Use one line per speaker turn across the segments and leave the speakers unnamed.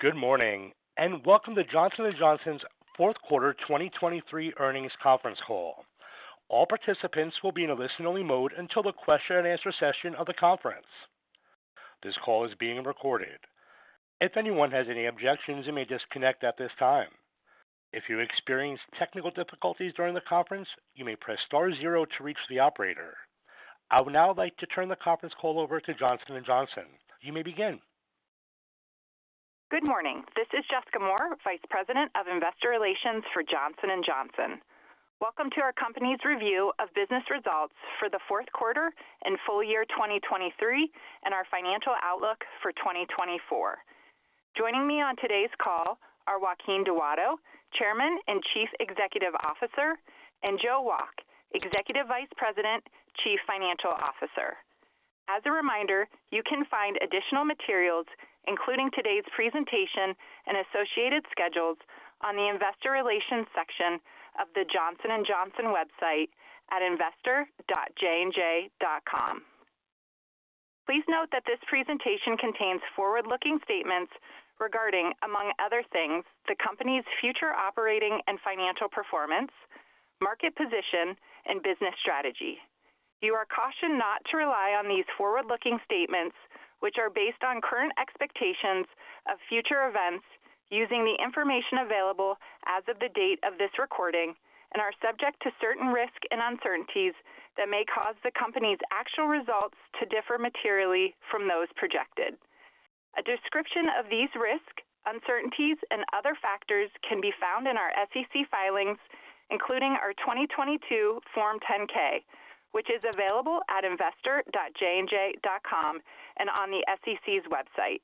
Good morning, and welcome to Johnson & Johnson's fourth quarter 2023 earnings conference call. All participants will be in a listen-only mode until the question-and-answer session of the conference. This call is being recorded. If anyone has any objections, you may disconnect at this time. If you experience technical difficulties during the conference, you may press star zero to reach the operator. I would now like to turn the conference call over to Johnson & Johnson. You may begin.
Good morning. This is Jessica Moore, Vice President of Investor Relations for Johnson & Johnson. Welcome to our company's review of business results for the fourth quarter and full year 2023, and our financial outlook for 2024. Joining me on today's call are Joaquin Duato, Chairman and Chief Executive Officer, and Joe Wolk, Executive Vice President, Chief Financial Officer. As a reminder, you can find additional materials, including today's presentation and associated schedules, on the Investor Relations section of the Johnson & Johnson website at investor.jnj.com. Please note that this presentation contains forward-looking statements regarding, among other things, the company's future operating and financial performance, market position, and business strategy. You are cautioned not to rely on these forward-looking statements, which are based on current expectations of future events using the information available as of the date of this recording and are subject to certain risks and uncertainties that may cause the company's actual results to differ materially from those projected. A description of these risks, uncertainties, and other factors can be found in our SEC filings, including our 2022 Form 10-K, which is available at investor.jnj.com and on the SEC's website.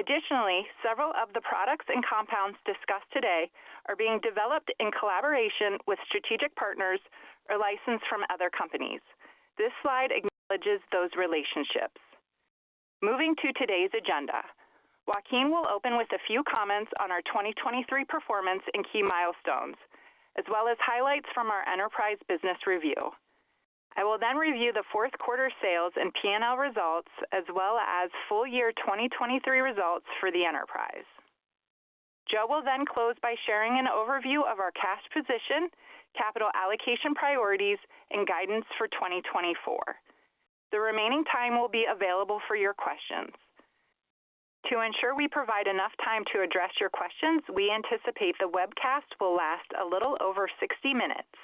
Additionally, several of the products and compounds discussed today are being developed in collaboration with strategic partners or licensed from other companies. This slide acknowledges those relationships. Moving to today's agenda, Joaquin will open with a few comments on our 2023 performance and key milestones, as well as highlights from our enterprise business review. I will then review the fourth quarter sales and PNL results as well as full year 2023 results for the enterprise. Joe will then close by sharing an overview of our cash position, capital allocation priorities, and guidance for 2024. The remaining time will be available for your questions. To ensure we provide enough time to address your questions, we anticipate the webcast will last a little over 60 minutes.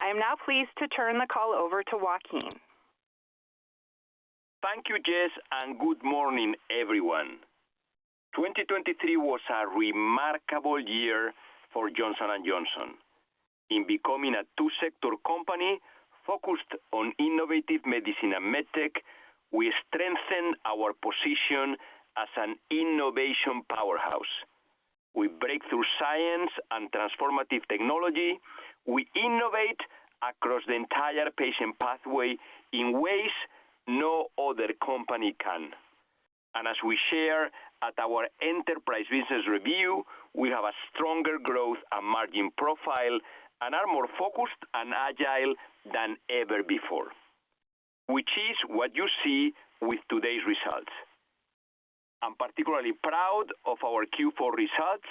I am now pleased to turn the call over to Joaquin.
Thank you, Jess, and good morning, everyone. 2023 was a remarkable year for Johnson & Johnson. In becoming a two-sector company focused on Innovative Medicine and MedTech, we strengthen our position as an innovation powerhouse. With breakthrough science and transformative technology, we innovate across the entire patient pathway in ways no other company can. As we share at our enterprise business review, we have a stronger growth and margin profile and are more focused and agile than ever before, which is what you see with today's results. I'm particularly proud of our Q4 results,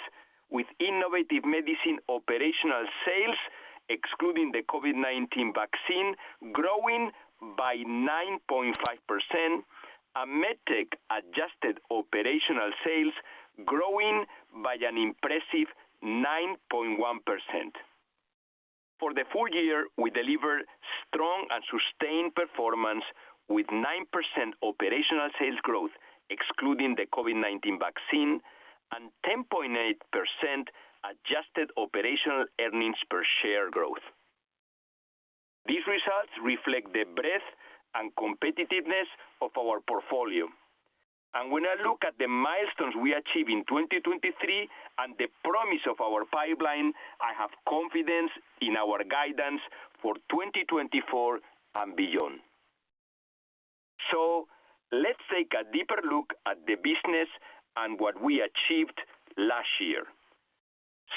with innovative medicine operational sales, excluding the COVID-19 vaccine, growing by 9.5%, and MedTech adjusted operational sales growing by an impressive 9.1%. For the full year, we delivered strong and sustained performance with 9% operational sales growth, excluding the COVID-19 vaccine, and 10.8% adjusted operational earnings per share growth. These results reflect the breadth and competitiveness of our portfolio. When I look at the milestones we achieved in 2023 and the promise of our pipeline, I have confidence in our guidance for 2024 and beyond. So let's take a deeper look at the business and what we achieved last year.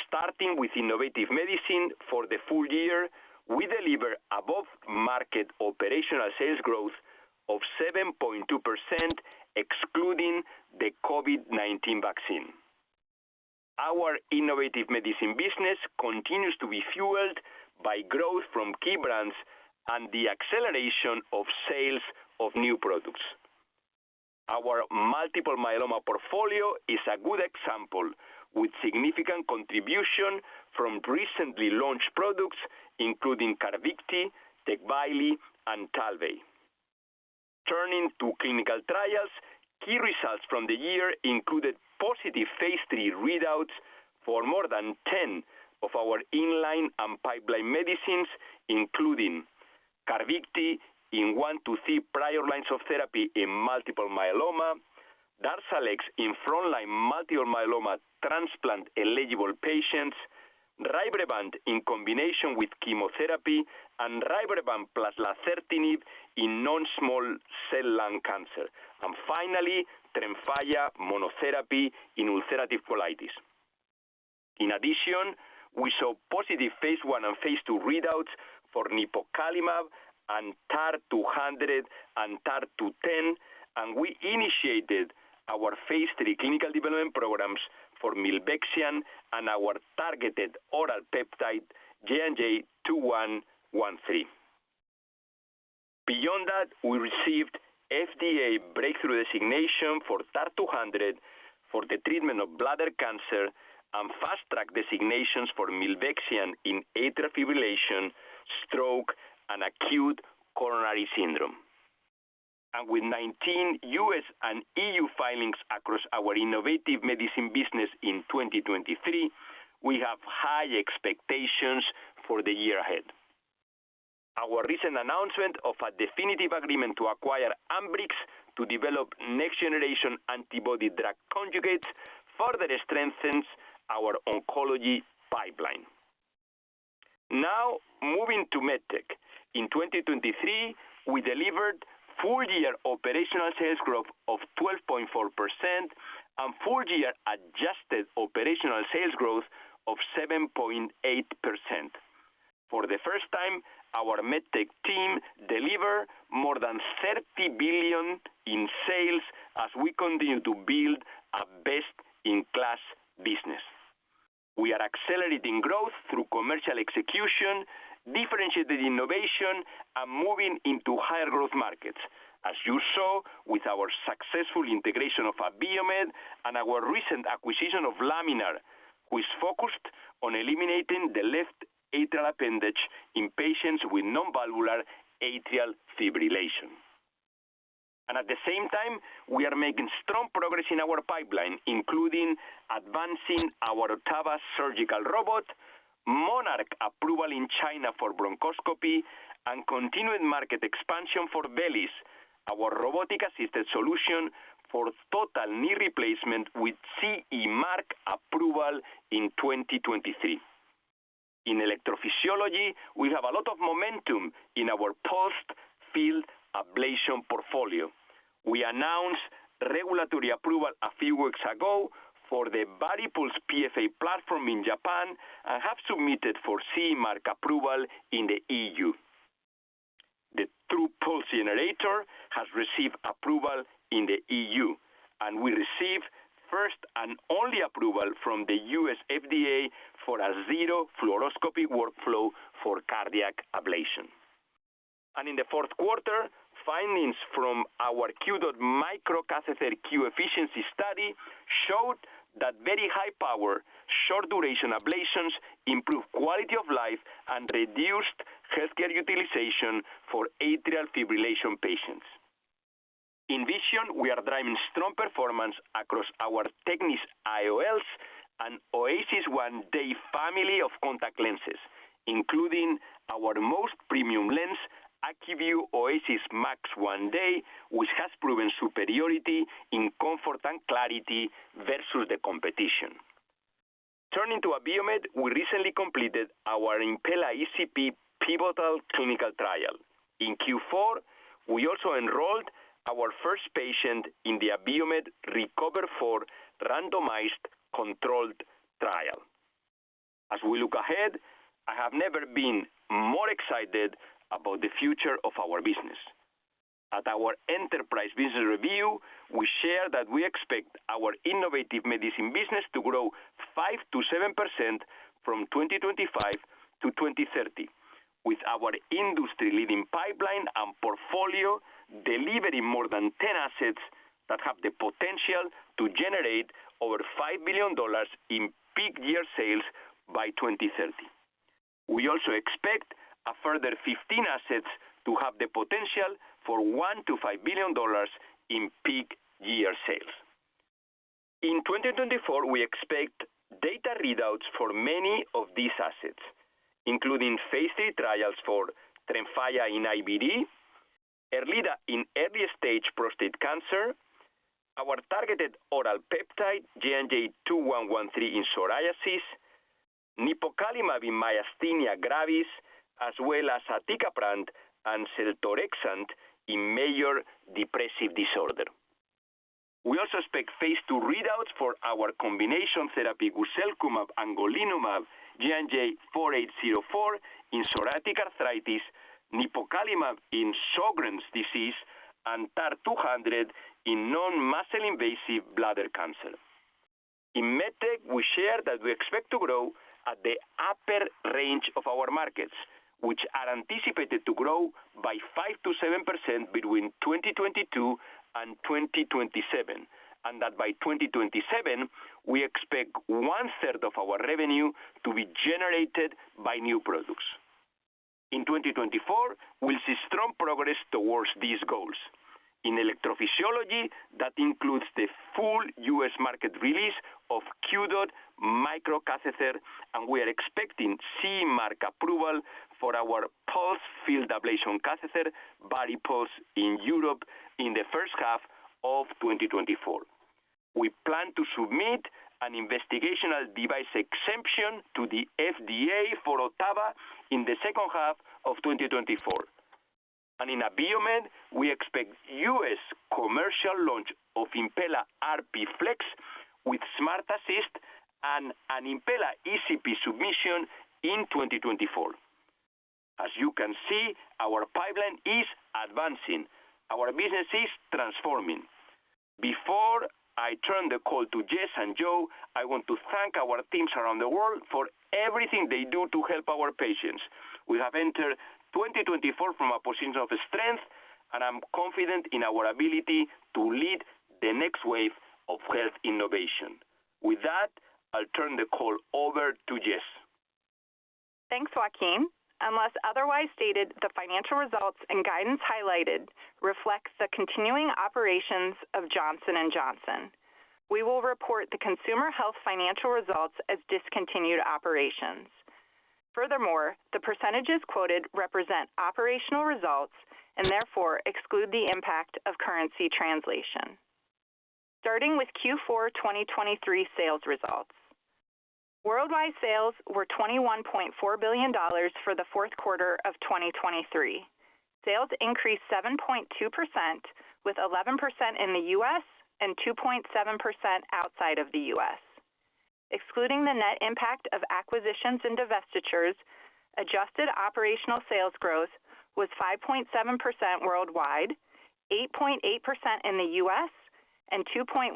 Starting with innovative medicine for the full year, we delivered above-market operational sales growth of 7.2%, excluding the COVID-19 vaccine. Our innovative medicine business continues to be fueled by growth from key brands and the acceleration of sales of new products. Our multiple myeloma portfolio is a good example, with significant contribution from recently launched products, including CARVYKTI, TECVAYLI, and TALVEY. Turning to clinical trials, key results from the year included positive phase III readouts for more than 10 of our in-line and pipeline medicines, including CARVYKTI in one to three prior lines of therapy in multiple myeloma, DARZALEX in frontline multiple myeloma transplant-eligible patients, RYBREVANT in combination with chemotherapy, and RYBREVANT plus lazertinib in non-small cell lung cancer, and finally, TREMFYA monotherapy in ulcerative colitis. In addition, we saw positive phase I and phase II readouts for nipocalimab and TAR-200 and TAR-210, and we initiated our phase III clinical development programs for milvexian and our targeted oral peptide, JNJ-2113. Beyond that, we received FDA breakthrough designation for TAR-200 for the treatment of bladder cancer and fast track designations for milvexian in atrial fibrillation, stroke, and acute coronary syndrome. With 19 U.S. and EU filings across our innovative medicine business in 2023, we have high expectations for the year ahead. Our recent announcement of a definitive agreement to acquire Ambrx to develop next-generation antibody drug conjugates further strengthens our oncology pipeline. Now, moving to MedTech. In 2023, we delivered full-year operational sales growth of 12.4% and full-year adjusted operational sales growth of 7.8%. For the first time, our MedTech team deliver more than $30 billion in sales as we continue to build a best-in-class business. We are accelerating growth through commercial execution, differentiated innovation, and moving into higher growth markets, as you saw with our successful integration of Abiomed and our recent acquisition of Laminar, who is focused on eliminating the left atrial appendage in patients with nonvalvular atrial fibrillation. At the same time, we are making strong progress in our pipeline, including advancing our OTTAVA surgical robot, MONARCH approval in China for bronchoscopy, and continuing market expansion for VELYS, our robotic-assisted solution for total knee replacement with CE Mark approval in 2023. In electrophysiology, we have a lot of momentum in our pulsed field ablation portfolio. We announced regulatory approval a few weeks ago for the VARIPULSE PFA Platform in Japan and have submitted for CE Mark approval in the EU. The TRUPULSE Generator has received approval in the EU, and we received first and only approval from the U.S. FDA for a zero-fluoroscopy workflow for cardiac ablation. In the fourth quarter, findings from our QDOT MICRO catheter Q-FFICIENCY study showed that very high power, short-duration ablations improve quality of life and reduced healthcare utilization for atrial fibrillation patients. In Vision, we are driving strong performance across our TECNIS IOLs and OASYS 1-Day family of contact lenses, including our most premium lens, ACUVUE OASYS Max 1-Day, which has proven superiority in comfort and clarity versus the competition. Turning to Abiomed, we recently completed our Impella ECP pivotal clinical trial. In Q4, we also enrolled our first patient in the Abiomed RECOVER IV randomized controlled trial. As we look ahead, I have never been more excited about the future of our business. At our enterprise business review, we shared that we expect our innovative medicine business to grow 5%-7% from 2025 to 2030, with our industry-leading pipeline and portfolio delivering more than 10 assets that have the potential to generate over $5 billion in peak year sales by 2030. We also expect a further 15 assets to have the potential for $1-$5 billion in peak year sales. In 2024, we expect data readouts for many of these assets, including phase III trials for TREMFYA in IBD, ERLEADA in early-stage prostate cancer, our targeted oral peptide, JNJ-2113 in psoriasis, nipocalimab in myasthenia gravis, as well as aticaprant and seltorexant in major depressive disorder. We also expect phase II readouts for our combination therapy with secukinumab and golimumab, JNJ-4804, in psoriatic arthritis, nipocalimab in Sjögren's disease, and TAR-200 in non-muscle-invasive bladder cancer. In MedTech, we share that we expect to grow at the upper range of our markets, which are anticipated to grow by 5%-7% between 2022 and 2027, and that by 2027, we expect 1/3 of our revenue to be generated by new products. In 2024, we'll see strong progress towards these goals. In electrophysiology, that includes the full U.S. market release of QDOT MICRO catheter, and we are expecting CE mark approval for our pulsed field ablation catheter, VARIPULSE, in Europe in the first half of 2024. We plan to submit an investigational device exemption to the FDA for OTTAVA in the second half of 2024. In Abiomed, we expect U.S. commercial launch of Impella RP Flex with SmartAssist and an Impella ECP submission in 2024. As you can see, our pipeline is advancing. Our business is transforming. Before I turn the call to Jess and Joe, I want to thank our teams around the world for everything they do to help our patients. We have entered 2024 from a position of strength, and I'm confident in our ability to lead the next wave of health innovation. With that, I'll turn the call over to Jess.
Thanks, Joaquin. Unless otherwise stated, the financial results and guidance highlighted reflects the continuing operations of Johnson & Johnson. We will report the consumer health financial results as discontinued operations. Furthermore, the percentages quoted represent operational results and therefore exclude the impact of currency translation. Starting with Q4 2023 sales results. Worldwide sales were $21.4 billion for the fourth quarter of 2023. Sales increased 7.2%, with 11% in the U.S. and 2.7% outside of the U.S. Excluding the net impact of acquisitions and divestitures, adjusted operational sales growth was 5.7% worldwide, 8.8% in the U.S., and 2.1%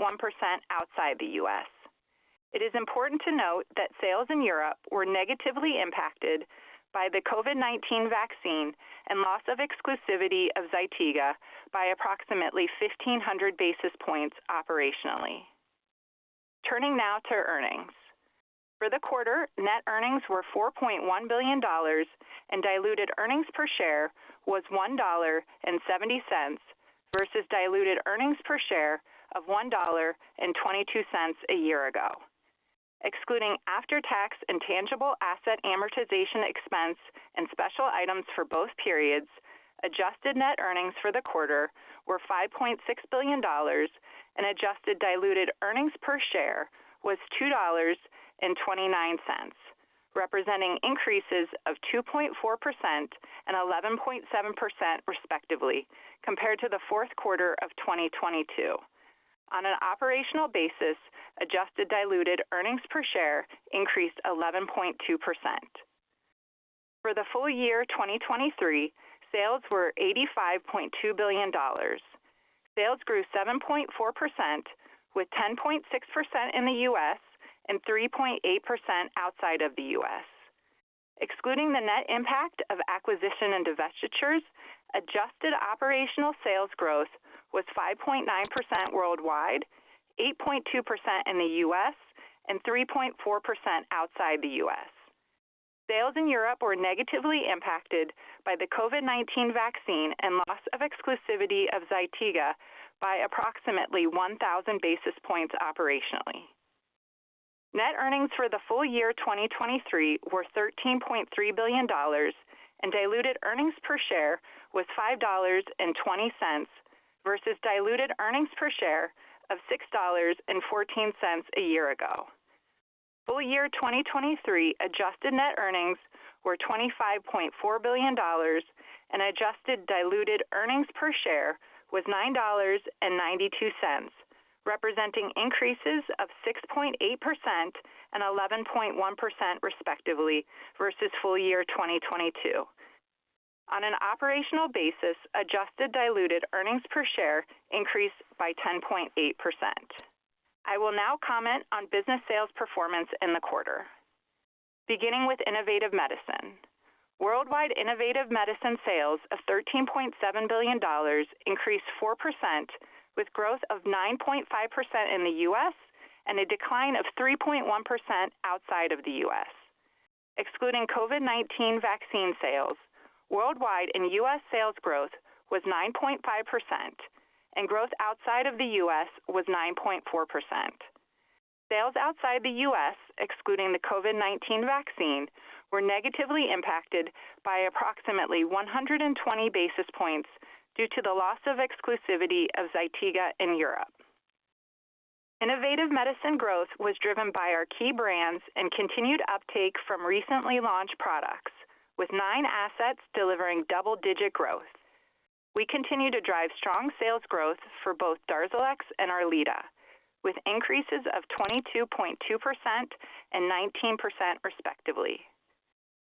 outside the U.S. It is important to note that sales in Europe were negatively impacted by the COVID-19 vaccine and loss of exclusivity of ZYTIGA by approximately 1,500 basis points operationally. Turning now to earnings. For the quarter, net earnings were $4.1 billion, and diluted earnings per share was $1.70 versus diluted earnings per share of $1.22 a year ago. Excluding after-tax and tangible asset amortization expense and special items for both periods, adjusted net earnings for the quarter were $5.6 billion, and adjusted diluted earnings per share was $2.29, representing increases of 2.4% and 11.7%, respectively, compared to the fourth quarter of 2022. On an operational basis, adjusted diluted earnings per share increased 11.2%. For the full year 2023, sales were $85.2 billion. Sales grew 7.4%, with 10.6% in the US and 3.8% outside of the US. Excluding the net impact of acquisition and divestitures, adjusted operational sales growth was 5.9% worldwide, 8.2% in the U.S., and 3.4% outside the U.S. Sales in Europe were negatively impacted by the COVID-19 vaccine and loss of exclusivity of ZYTIGA by approximately 1,000 basis points operationally. Net earnings for the full year 2023 were $13.3 billion, and diluted earnings per share was $5.20 versus diluted earnings per share of $6.14 a year ago. Full year 2023 adjusted net earnings were $25.4 billion, and adjusted diluted earnings per share was $9.92, representing increases of 6.8% and 11.1%, respectively, versus full year 2022. On an operational basis, adjusted diluted earnings per share increased by 10.8%. I will now comment on business sales performance in the quarter. Beginning with Innovative Medicine. Worldwide Innovative Medicine sales of $13.7 billion increased 4%, with growth of 9.5% in the U.S. and a decline of 3.1% outside of the U.S. Excluding COVID-19 vaccine sales, worldwide and U.S. sales growth was 9.5%, and growth outside of the U.S. was 9.4%. Sales outside the U.S., excluding the COVID-19 vaccine, were negatively impacted by approximately 120 basis points due to the loss of exclusivity of ZYTIGA in Europe. Innovative Medicine growth was driven by our key brands and continued uptake from recently launched products, with nine assets delivering double-digit growth. We continue to drive strong sales growth for both DARZALEX and ERLEADA, with increases of 22.2% and 19%, respectively.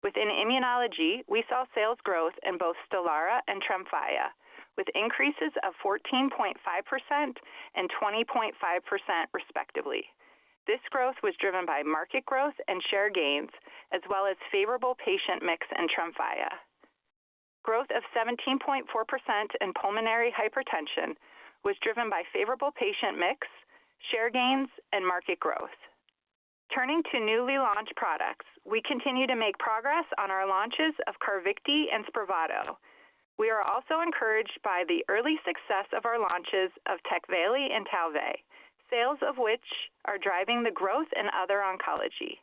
Within immunology, we saw sales growth in both STELARA and TREMFYA, with increases of 14.5% and 20.5%, respectively. This growth was driven by market growth and share gains, as well as favorable patient mix in TREMFYA. Growth of 17.4% in pulmonary hypertension was driven by favorable patient mix, share gains, and market growth. Turning to newly launched products, we continue to make progress on our launches of CARVYKTI and SPRAVATO. We are also encouraged by the early success of our launches of TECVAYLI and TALVEY, sales of which are driving the growth in other oncology.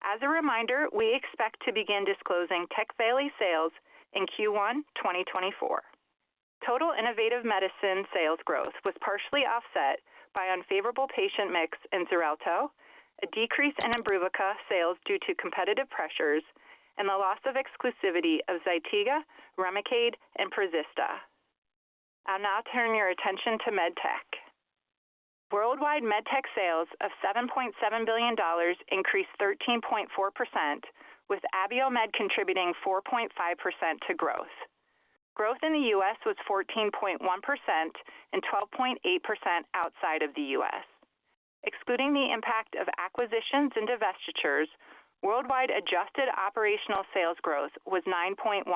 As a reminder, we expect to begin disclosing TECVAYLI sales in Q1 2024. Total Innovative Medicine sales growth was partially offset by unfavorable patient mix in XARELTO, a decrease in IMBRUVICA sales due to competitive pressures, and the loss of exclusivity of ZYTIGA, REMICADE, and PREZISTA. I'll now turn your attention to MedTech. Worldwide MedTech sales of $7.7 billion increased 13.4%, with Abiomed contributing 4.5% to growth. Growth in the U.S. was 14.1% and 12.8% outside of the U.S. Excluding the impact of acquisitions and divestitures, worldwide adjusted operational sales growth was 9.1%.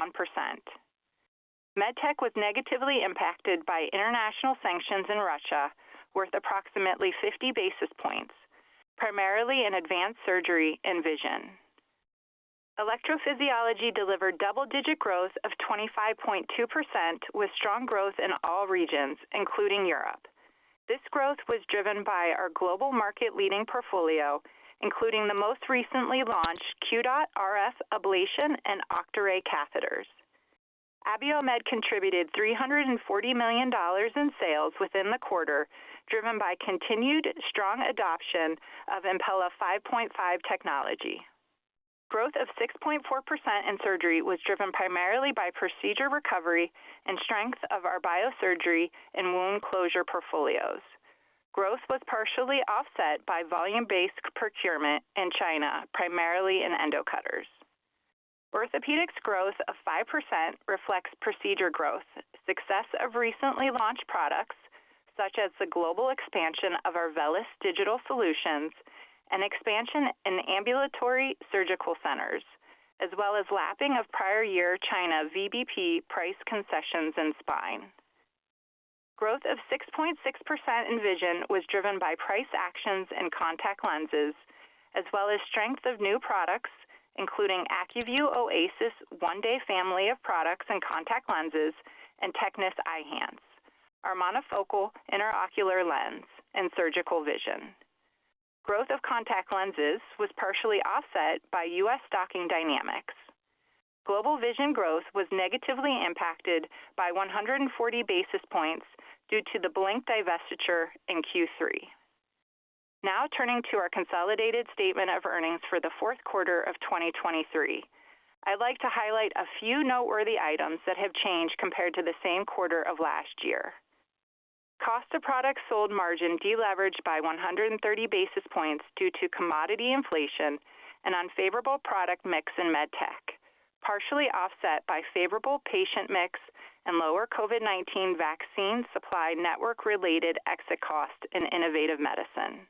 MedTech was negatively impacted by international sanctions in Russia, worth approximately 50 basis points, primarily in advanced surgery and vision. Electrophysiology delivered double-digit growth of 25.2%, with strong growth in all regions, including Europe. This growth was driven by our global market-leading portfolio, including the most recently launched QDOT RF ablation and OCTARAY catheters. Abiomed contributed $340 million in sales within the quarter, driven by continued strong adoption of Impella 5.5 technology. Growth of 6.4% in surgery was driven primarily by procedure recovery and strength of our biosurgery and wound closure portfolios. Growth was partially offset by volume-based procurement in China, primarily in endocutters. Orthopedics growth of 5% reflects procedure growth, success of recently launched products such as the global expansion of our VELYS Digital Solutions and expansion in ambulatory surgical centers, as well as lapping of prior year China VBP price concessions in spine. Growth of 6.6% in vision was driven by price actions and contact lenses, as well as strength of new products, including ACUVUE OASYS 1-Day family of products and contact lenses and TECNIS Eyhance, our monofocal intraocular lens and surgical vision. Growth of contact lenses was partially offset by U.S. stocking dynamics. Global vision growth was negatively impacted by 140 basis points due to the Blink divestiture in Q3. Now turning to our consolidated statement of earnings for the fourth quarter of 2023. I'd like to highlight a few noteworthy items that have changed compared to the same quarter of last year. Cost of products sold margin deleveraged by 130 basis points due to commodity inflation and unfavorable product mix in MedTech, partially offset by favorable patient mix and lower COVID-19 vaccine supply network-related exit costs in Innovative Medicine.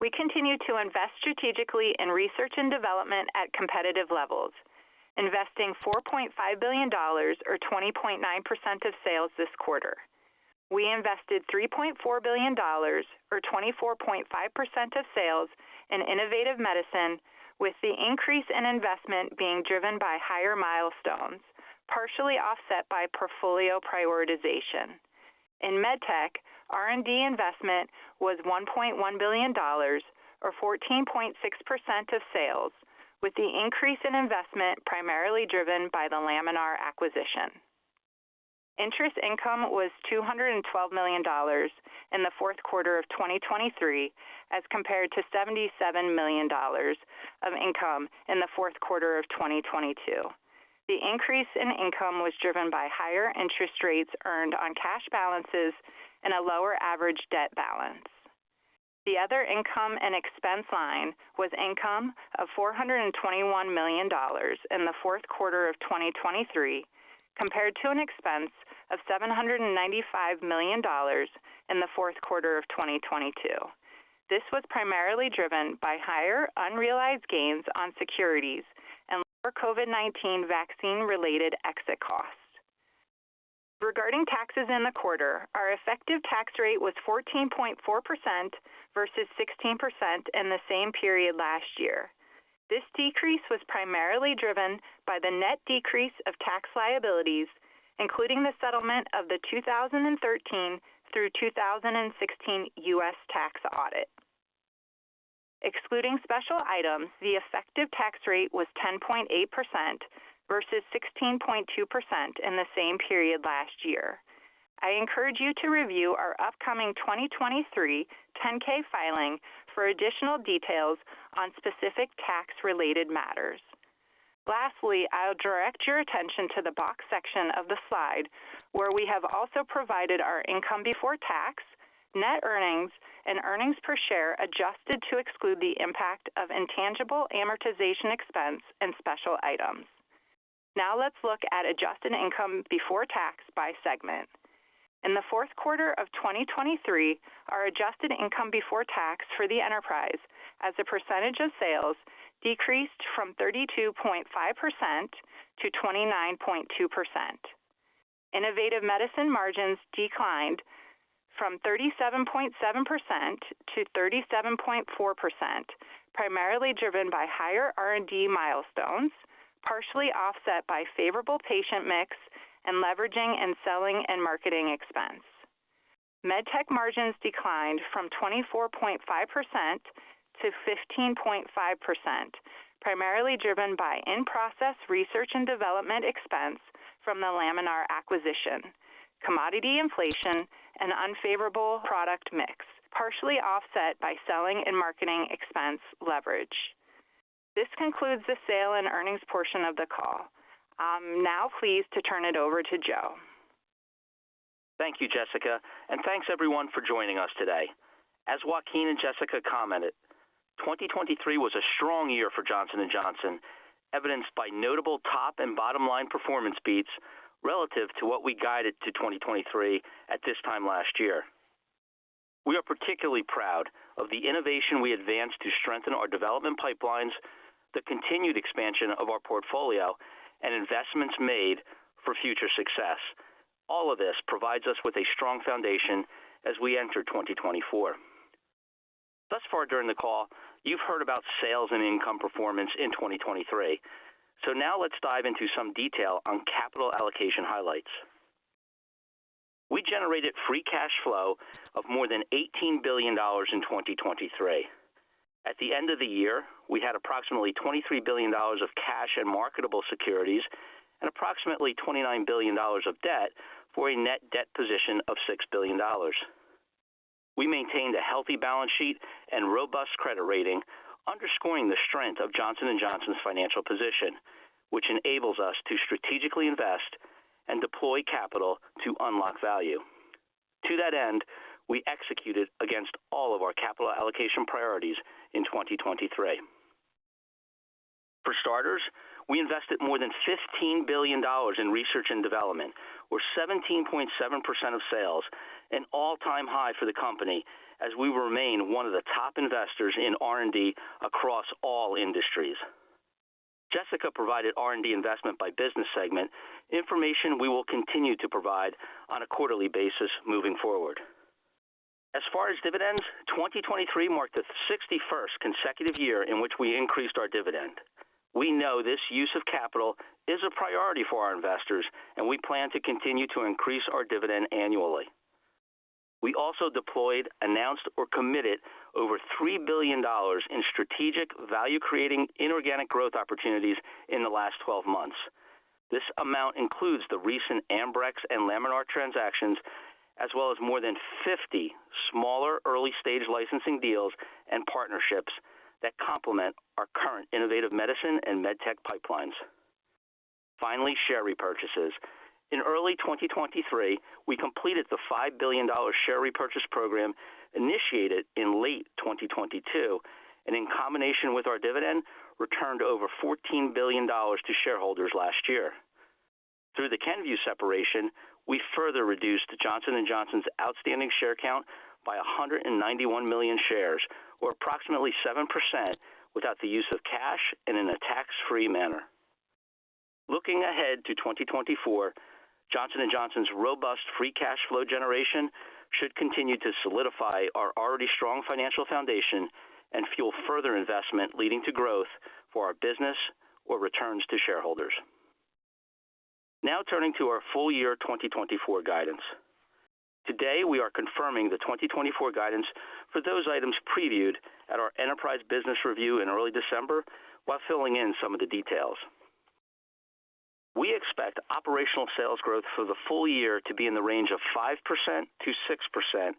We continue to invest strategically in research and development at competitive levels, investing $4.5 billion or 20.9% of sales this quarter. We invested $3.4 billion or 24.5% of sales in Innovative Medicine, with the increase in investment being driven by higher milestones, partially offset by portfolio prioritization. In MedTech, R&D investment was $1.1 billion or 14.6% of sales, with the increase in investment primarily driven by the Laminar acquisition. Interest income was $212 million in the fourth quarter of 2023, as compared to $77 million of income in the fourth quarter of 2022. The increase in income was driven by higher interest rates earned on cash balances and a lower average debt balance. The other income and expense line was income of $421 million in the fourth quarter of 2023, compared to an expense of $795 million in the fourth quarter of 2022. This was primarily driven by higher unrealized gains on securities and lower COVID-19 vaccine-related exit costs. Regarding taxes in the quarter, our effective tax rate was 14.4% versus 16% in the same period last year. This decrease was primarily driven by the net decrease of tax liabilities, including the settlement of the 2013 through 2016 U.S. tax audit. Excluding special items, the effective tax rate was 10.8% versus 16.2% in the same period last year. I encourage you to review our upcoming 2023 10-K filing for additional details on specific tax-related matters. Lastly, I'll direct your attention to the box section of the slide, where we have also provided our income before tax, net earnings, and earnings per share, adjusted to exclude the impact of intangible amortization expense and special items. Now let's look at adjusted income before tax by segment. In the fourth quarter of 2023, our adjusted income before tax for the enterprise as a percentage of sales decreased from 32.5% to 29.2%. Innovative Medicine margins declined from 37.7% to 37.4%, primarily driven by higher R&D milestones, partially offset by favorable patient mix and leveraging and selling and marketing expense. MedTech margins declined from 24.5% to 15.5%, primarily driven by in-process research and development expense from the Laminar acquisition, commodity inflation, and unfavorable product mix, partially offset by selling and marketing expense leverage. This concludes the sales and earnings portion of the call. I'm now pleased to turn it over to Joe.
Thank you, Jessica, and thanks everyone for joining us today. As Joaquin and Jessica commented, 2023 was a strong year for Johnson & Johnson, evidenced by notable top and bottom line performance beats relative to what we guided to 2023 at this time last year. We are particularly proud of the innovation we advanced to strengthen our development pipelines, the continued expansion of our portfolio and investments made for future success. All of this provides us with a strong foundation as we enter 2024. Thus far during the call, you've heard about sales and income performance in 2023. So now let's dive into some detail on capital allocation highlights. We generated free cash flow of more than $18 billion in 2023. At the end of the year, we had approximately $23 billion of cash and marketable securities and approximately $29 billion of debt, for a net debt position of $6 billion. We maintained a healthy balance sheet and robust credit rating, underscoring the strength of Johnson & Johnson's financial position, which enables us to strategically invest and deploy capital to unlock value. To that end, we executed against all of our capital allocation priorities in 2023. For starters, we invested more than $15 billion in research and development, or 17.7% of sales, an all-time high for the company as we remain one of the top investors in R&D across all industries. Jessica provided R&D investment by business segment, information we will continue to provide on a quarterly basis moving forward. As far as dividends, 2023 marked the 61st consecutive year in which we increased our dividend. We know this use of capital is a priority for our investors, and we plan to continue to increase our dividend annually. We also deployed, announced, or committed over $3 billion in strategic value, creating inorganic growth opportunities in the last 12 months. This amount includes the recent Ambrx and Laminar transactions, as well as more than 50 smaller early-stage licensing deals and partnerships that complement our current Innovative Medicine and MedTech pipelines. Finally, share repurchases. In early 2023, we completed the $5 billion share repurchase program initiated in late 2022, and in combination with our dividend, returned over $14 billion to shareholders last year. Through the Kenvue separation, we further reduced Johnson & Johnson's outstanding share count by 191 million shares, or approximately 7%, without the use of cash and in a tax-free manner. Looking ahead to 2024, Johnson & Johnson's robust free cash flow generation should continue to solidify our already strong financial foundation and fuel further investment, leading to growth for our business or returns to shareholders. Now turning to our full year 2024 guidance. Today, we are confirming the 2024 guidance for those items previewed at our enterprise business review in early December, while filling in some of the details. We expect operational sales growth for the full year to be in the range of 5%-6%,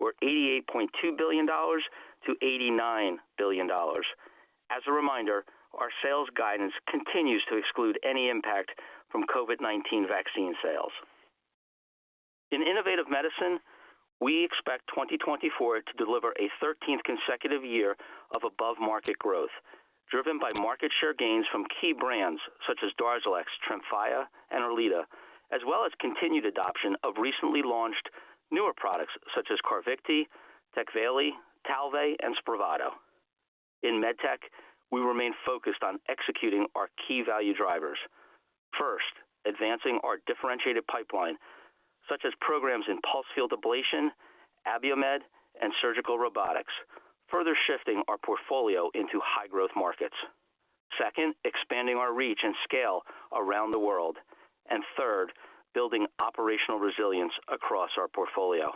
or $88.2 billion-$89 billion. As a reminder, our sales guidance continues to exclude any impact from COVID-19 vaccine sales. In Innovative Medicine, we expect 2024 to deliver a 13th consecutive year of above-market growth, driven by market share gains from key brands such as DARZALEX, TREMFYA, and ERLEADA, as well as continued adoption of recently launched newer products such as CARVYKTI, TECVAYLI, TALVEY, and SPRAVATO. In MedTech, we remain focused on executing our key value drivers. First, advancing our differentiated pipeline, such as programs in pulsed field ablation, Abiomed, and surgical robotics, further shifting our portfolio into high-growth markets. Second, expanding our reach and scale around the world. And third, building operational resilience across our portfolio.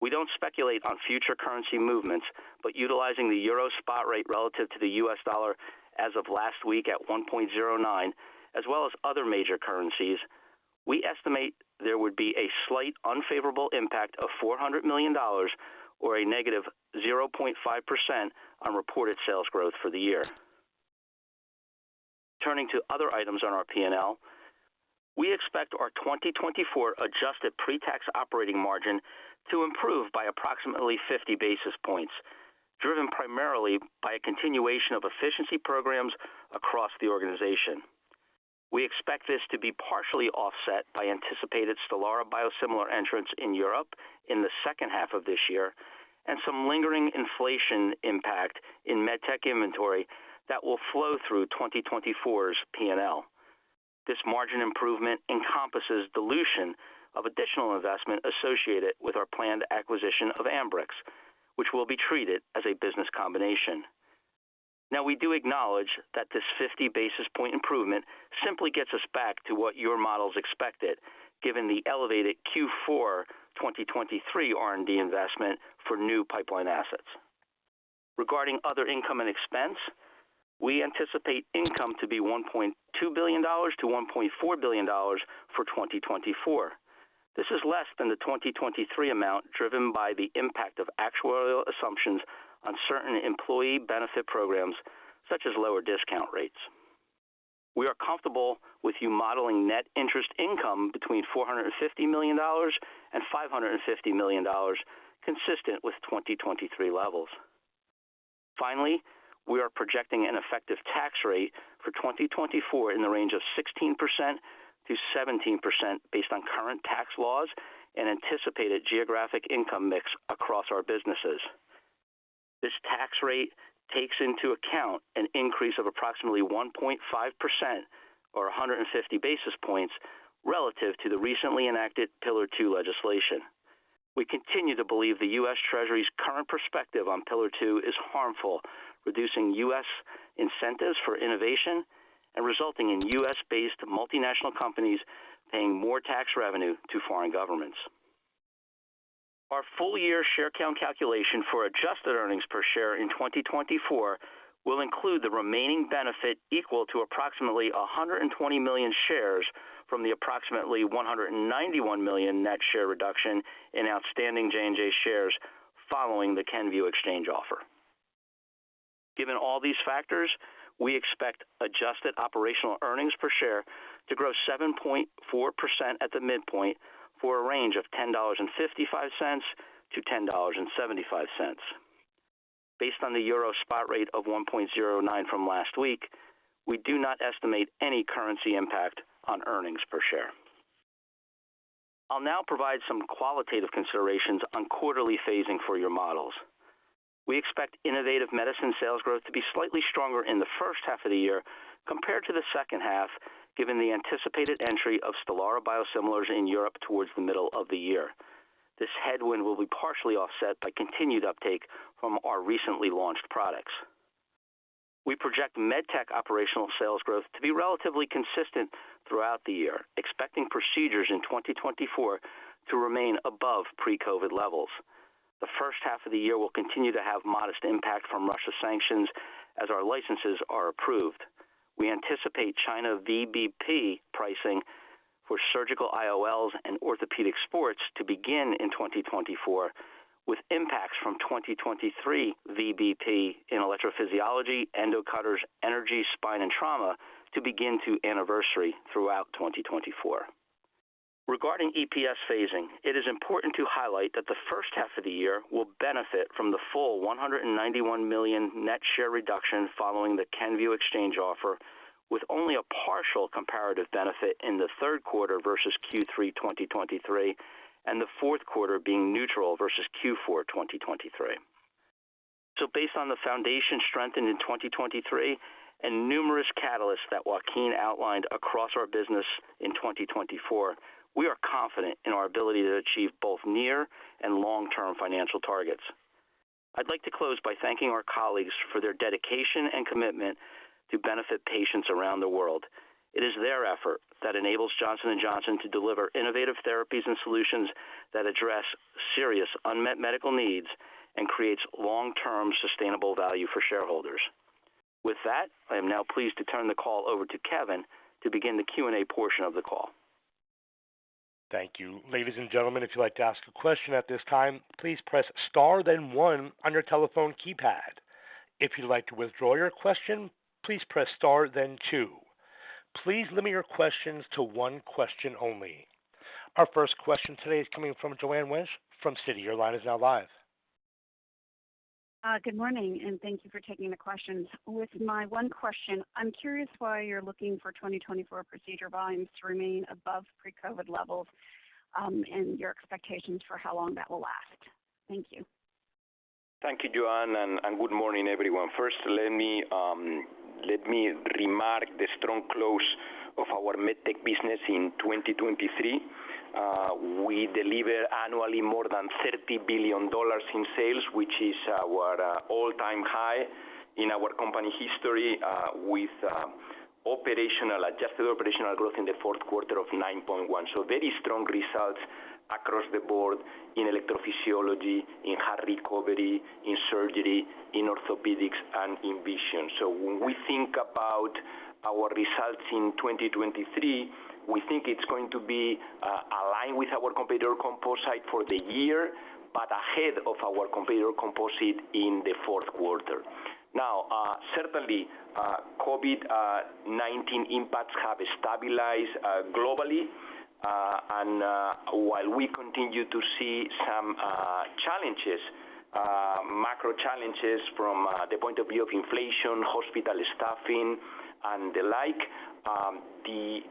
We don't speculate on future currency movements, but utilizing the euro spot rate relative to the US dollar as of last week at 1.09, as well as other major currencies, we estimate there would be a slight unfavorable impact of $400 million or a -0.5% on reported sales growth for the year. Turning to other items on our P&L, we expect our 2024 adjusted pre-tax operating margin to improve by approximately 50 basis points, driven primarily by a continuation of efficiency programs across the organization. We expect this to be partially offset by anticipated STELARA biosimilar entrants in Europe in the second half of this year and some lingering inflation impact in MedTech inventory that will flow through 2024's P&L. This margin improvement encompasses dilution of additional investment associated with our planned acquisition of Ambrx, which will be treated as a business combination. Now, we do acknowledge that this 50 basis point improvement simply gets us back to what your models expected, given the elevated Q4 2023 R&D investment for new pipeline assets. Regarding other income and expense, we anticipate income to be $1.2 billion-$1.4 billion for 2024. This is less than the 2023 amount, driven by the impact of actuarial assumptions on certain employee benefit programs, such as lower discount rates. We are comfortable with you modeling net interest income between $450 million and $550 million, consistent with 2023 levels. Finally, we are projecting an effective tax rate for 2024 in the range of 16%-17% based on current tax laws and anticipated geographic income mix across our businesses. This tax rate takes into account an increase of approximately 1.5% or 150 basis points relative to the recently enacted Pillar Two legislation. We continue to believe the U.S. Treasury's current perspective on Pillar Two is harmful, reducing U.S. incentives for innovation and resulting in U.S.-based multinational companies paying more tax revenue to foreign governments. Our full-year share count calculation for adjusted earnings per share in 2024 will include the remaining benefit equal to approximately 120 million shares from the approximately 191 million net share reduction in outstanding J&J shares following the Kenvue exchange offer. Given all these factors, we expect adjusted operational earnings per share to grow 7.4% at the midpoint for a range of $10.55-$10.75. Based on the EUR spot rate of 1.09 from last week, we do not estimate any currency impact on earnings per share. I'll now provide some qualitative considerations on quarterly phasing for your models. We expect Innovative Medicine sales growth to be slightly stronger in the first half of the year compared to the second half, given the anticipated entry of STELARA biosimilars in Europe towards the middle of the year. This headwind will be partially offset by continued uptake from our recently launched products. We project MedTech operational sales growth to be relatively consistent throughout the year, expecting procedures in 2024 to remain above pre-COVID levels. The first half of the year will continue to have modest impact from Russia sanctions as our licenses are approved. We anticipate China VBP pricing for surgical IOLs and orthopedic sports to begin in 2024, with impacts from 2023 VBP in electrophysiology, endocutters, energy, spine and trauma to begin to anniversary throughout 2024. Regarding EPS phasing, it is important to highlight that the first half of the year will benefit from the full 191 million net share reduction following the Kenvue exchange offer, with only a partial comparative benefit in the third quarter versus Q3 2023, and the fourth quarter being neutral versus Q4 2023. Based on the foundation strengthened in 2023 and numerous catalysts that Joaquin outlined across our business in 2024, we are confident in our ability to achieve both near and long-term financial targets. I'd like to close by thanking our colleagues for their dedication and commitment to benefit patients around the world. It is their effort that enables Johnson & Johnson to deliver innovative therapies and solutions that address serious unmet medical needs and creates long-term sustainable value for shareholders. With that, I am now pleased to turn the call over to Kevin to begin the Q&A portion of the call.
Thank you. Ladies and gentlemen, if you'd like to ask a question at this time, please press star, then one on your telephone keypad. If you'd like to withdraw your question, please press star then two. Please limit your questions to one question only. Our first question today is coming from Joanne Wuensch from Citi. Your line is now live.
Good morning, and thank you for taking the questions. With my one question, I'm curious why you're looking for 2024 procedure volumes to remain above pre-COVID levels, and your expectations for how long that will last? Thank you.
Thank you, Joanne, and good morning, everyone. First, let me, let me remark the strong close of our MedTech business in 2023. We deliver annually more than $30 billion in sales, which is our all-time high in our company history, with operational adjusted operational growth in the fourth quarter of 9.1. So very strong results across the board in electrophysiology, in heart recovery, in surgery, in orthopedics and in vision. So, when we think about our results in 2023, we think it's going to be aligned with our competitor composite for the year, but ahead of our competitor composite in the fourth quarter. Now, certainly, COVID-19 impacts have stabilized globally. And while we continue to see some challenges, macro challenges from the point of view of inflation, hospital staffing and the like,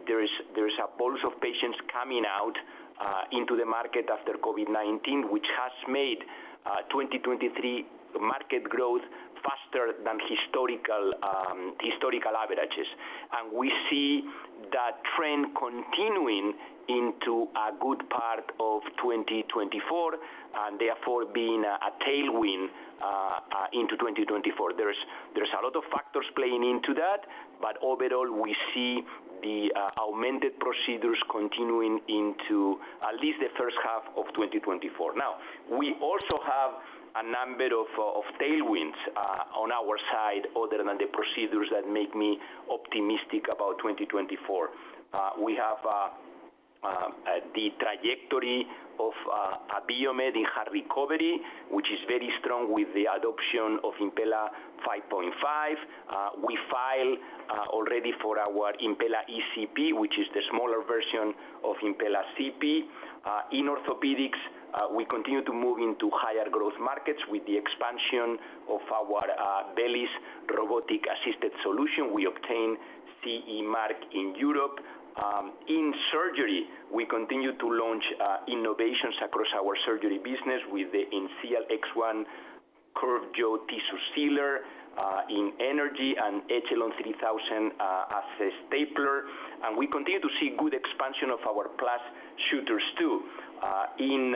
there is a pulse of patients coming out into the market after COVID-19, which has made 2023 market growth faster than historical averages and we see that trend continuing into a good part of 2024, and therefore being a tailwind into 2024. There's a lot of factors playing into that, but overall, we see the augmented procedures continuing into at least the first half of 2024. Now, we also have a number of tailwinds on our side other than the procedures that make me optimistic about 2024. We have the trajectory of Abiomed in heart recovery, which is very strong with the adoption of Impella 5.5. We file already for our Impella ECP, which is the smaller version of Impella CP. In orthopedics, we continue to move into higher growth markets with the expansion of our VELYS robotic-assisted solution. We obtain CE mark in Europe. In surgery, we continue to launch innovations across our surgery business with the ENSEAL X1 Curved Jaw Tissue Sealer in energy and ECHELON 3000 as a stapler and we continue to see good expansion of PLUS Sutures, too. In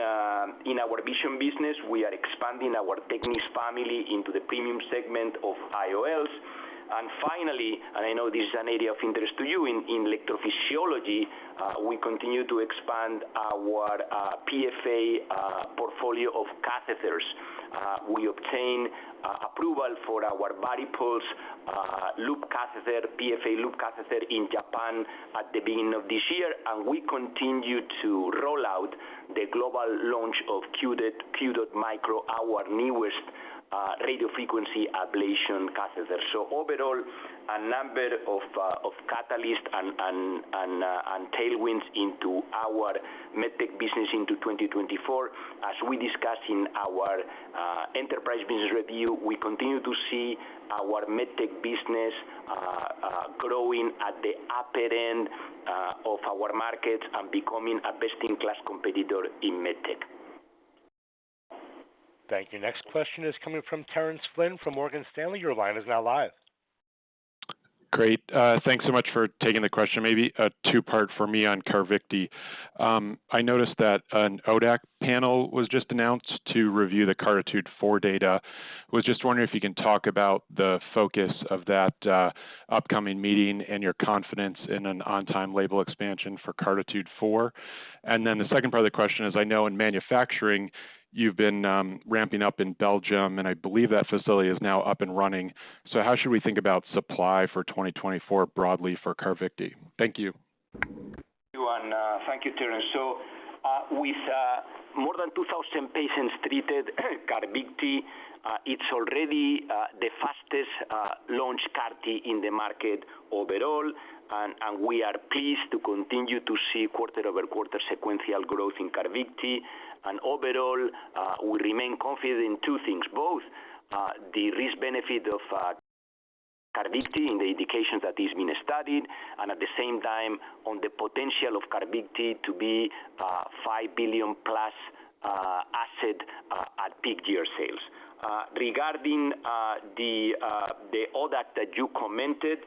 our vision business, we are expanding our TECNIS family into the premium segment of IOLs. And finally, and I know this is an area of interest to you, in electrophysiology, we continue to expand our PFA portfolio of catheters. We obtain approval for our VARIPULSE loop catheter, PFA loop catheter in Japan at the beginning of this year, and we continue to roll out the global launch of QDOT MICRO, our newest radiofrequency ablation catheter. So overall, a number of catalysts and tailwinds into our MedTech business into 2024. As we discussed in our enterprise business review, we continue to see our MedTech business growing at the upper end of our markets and becoming a best-in-class competitor in MedTech.
Thank you. Next question is coming from Terence Flynn from Morgan Stanley. Your line is now live.
Great. Thanks so much for taking the question. Maybe a two-part for me on CARVYKTI. I noticed that an ODAC panel was just announced to review the CARTITUDE-4 data. Was just wondering if you can talk about the focus of that, upcoming meeting and your confidence in an on-time label expansion for CARTITUDE-4. And then the second part of the question is, I know in manufacturing you've been, ramping up in Belgium, and I believe that facility is now up and running. So how should we think about supply for 2024 broadly for CARVYKTI? Thank you.
Thank you, and thank you, Terence. So, with more than 2,000 patients treated, CARVYKTI, it's already the fastest launch CAR-T in the market overall and we are pleased to continue to see quarter-over-quarter sequential growth in CARVYKTI. And overall, we remain confident in two things: both the risk benefit of CARVYKTI in the indications that it's been studied, and at the same time, on the potential of CARVYKTI to be a $5 billion-plus asset at peak year sales. Regarding the ODAC that you commented,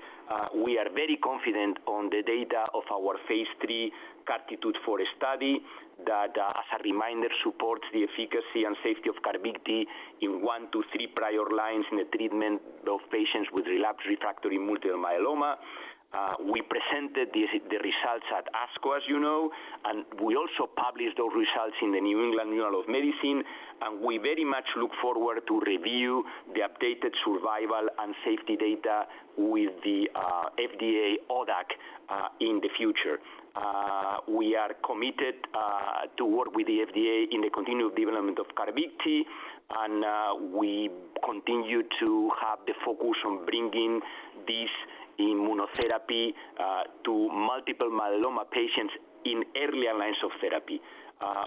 we are very confident on the data of our phase III CARTITUDE-4 study that, as a reminder, supports the efficacy and safety of CARVYKTI in one to three prior lines in the treatment of patients with relapsed refractory multiple myeloma. We presented the results at ASCO, as you know, and we also published those results in the New England Journal of Medicine, and we very much look forward to review the updated survival and safety data with the FDA ODAC in the future. We are committed to work with the FDA in the continued development of CARVYKTI, and we continue to have the focus on bringing this immunotherapy to multiple myeloma patients in earlier lines of therapy.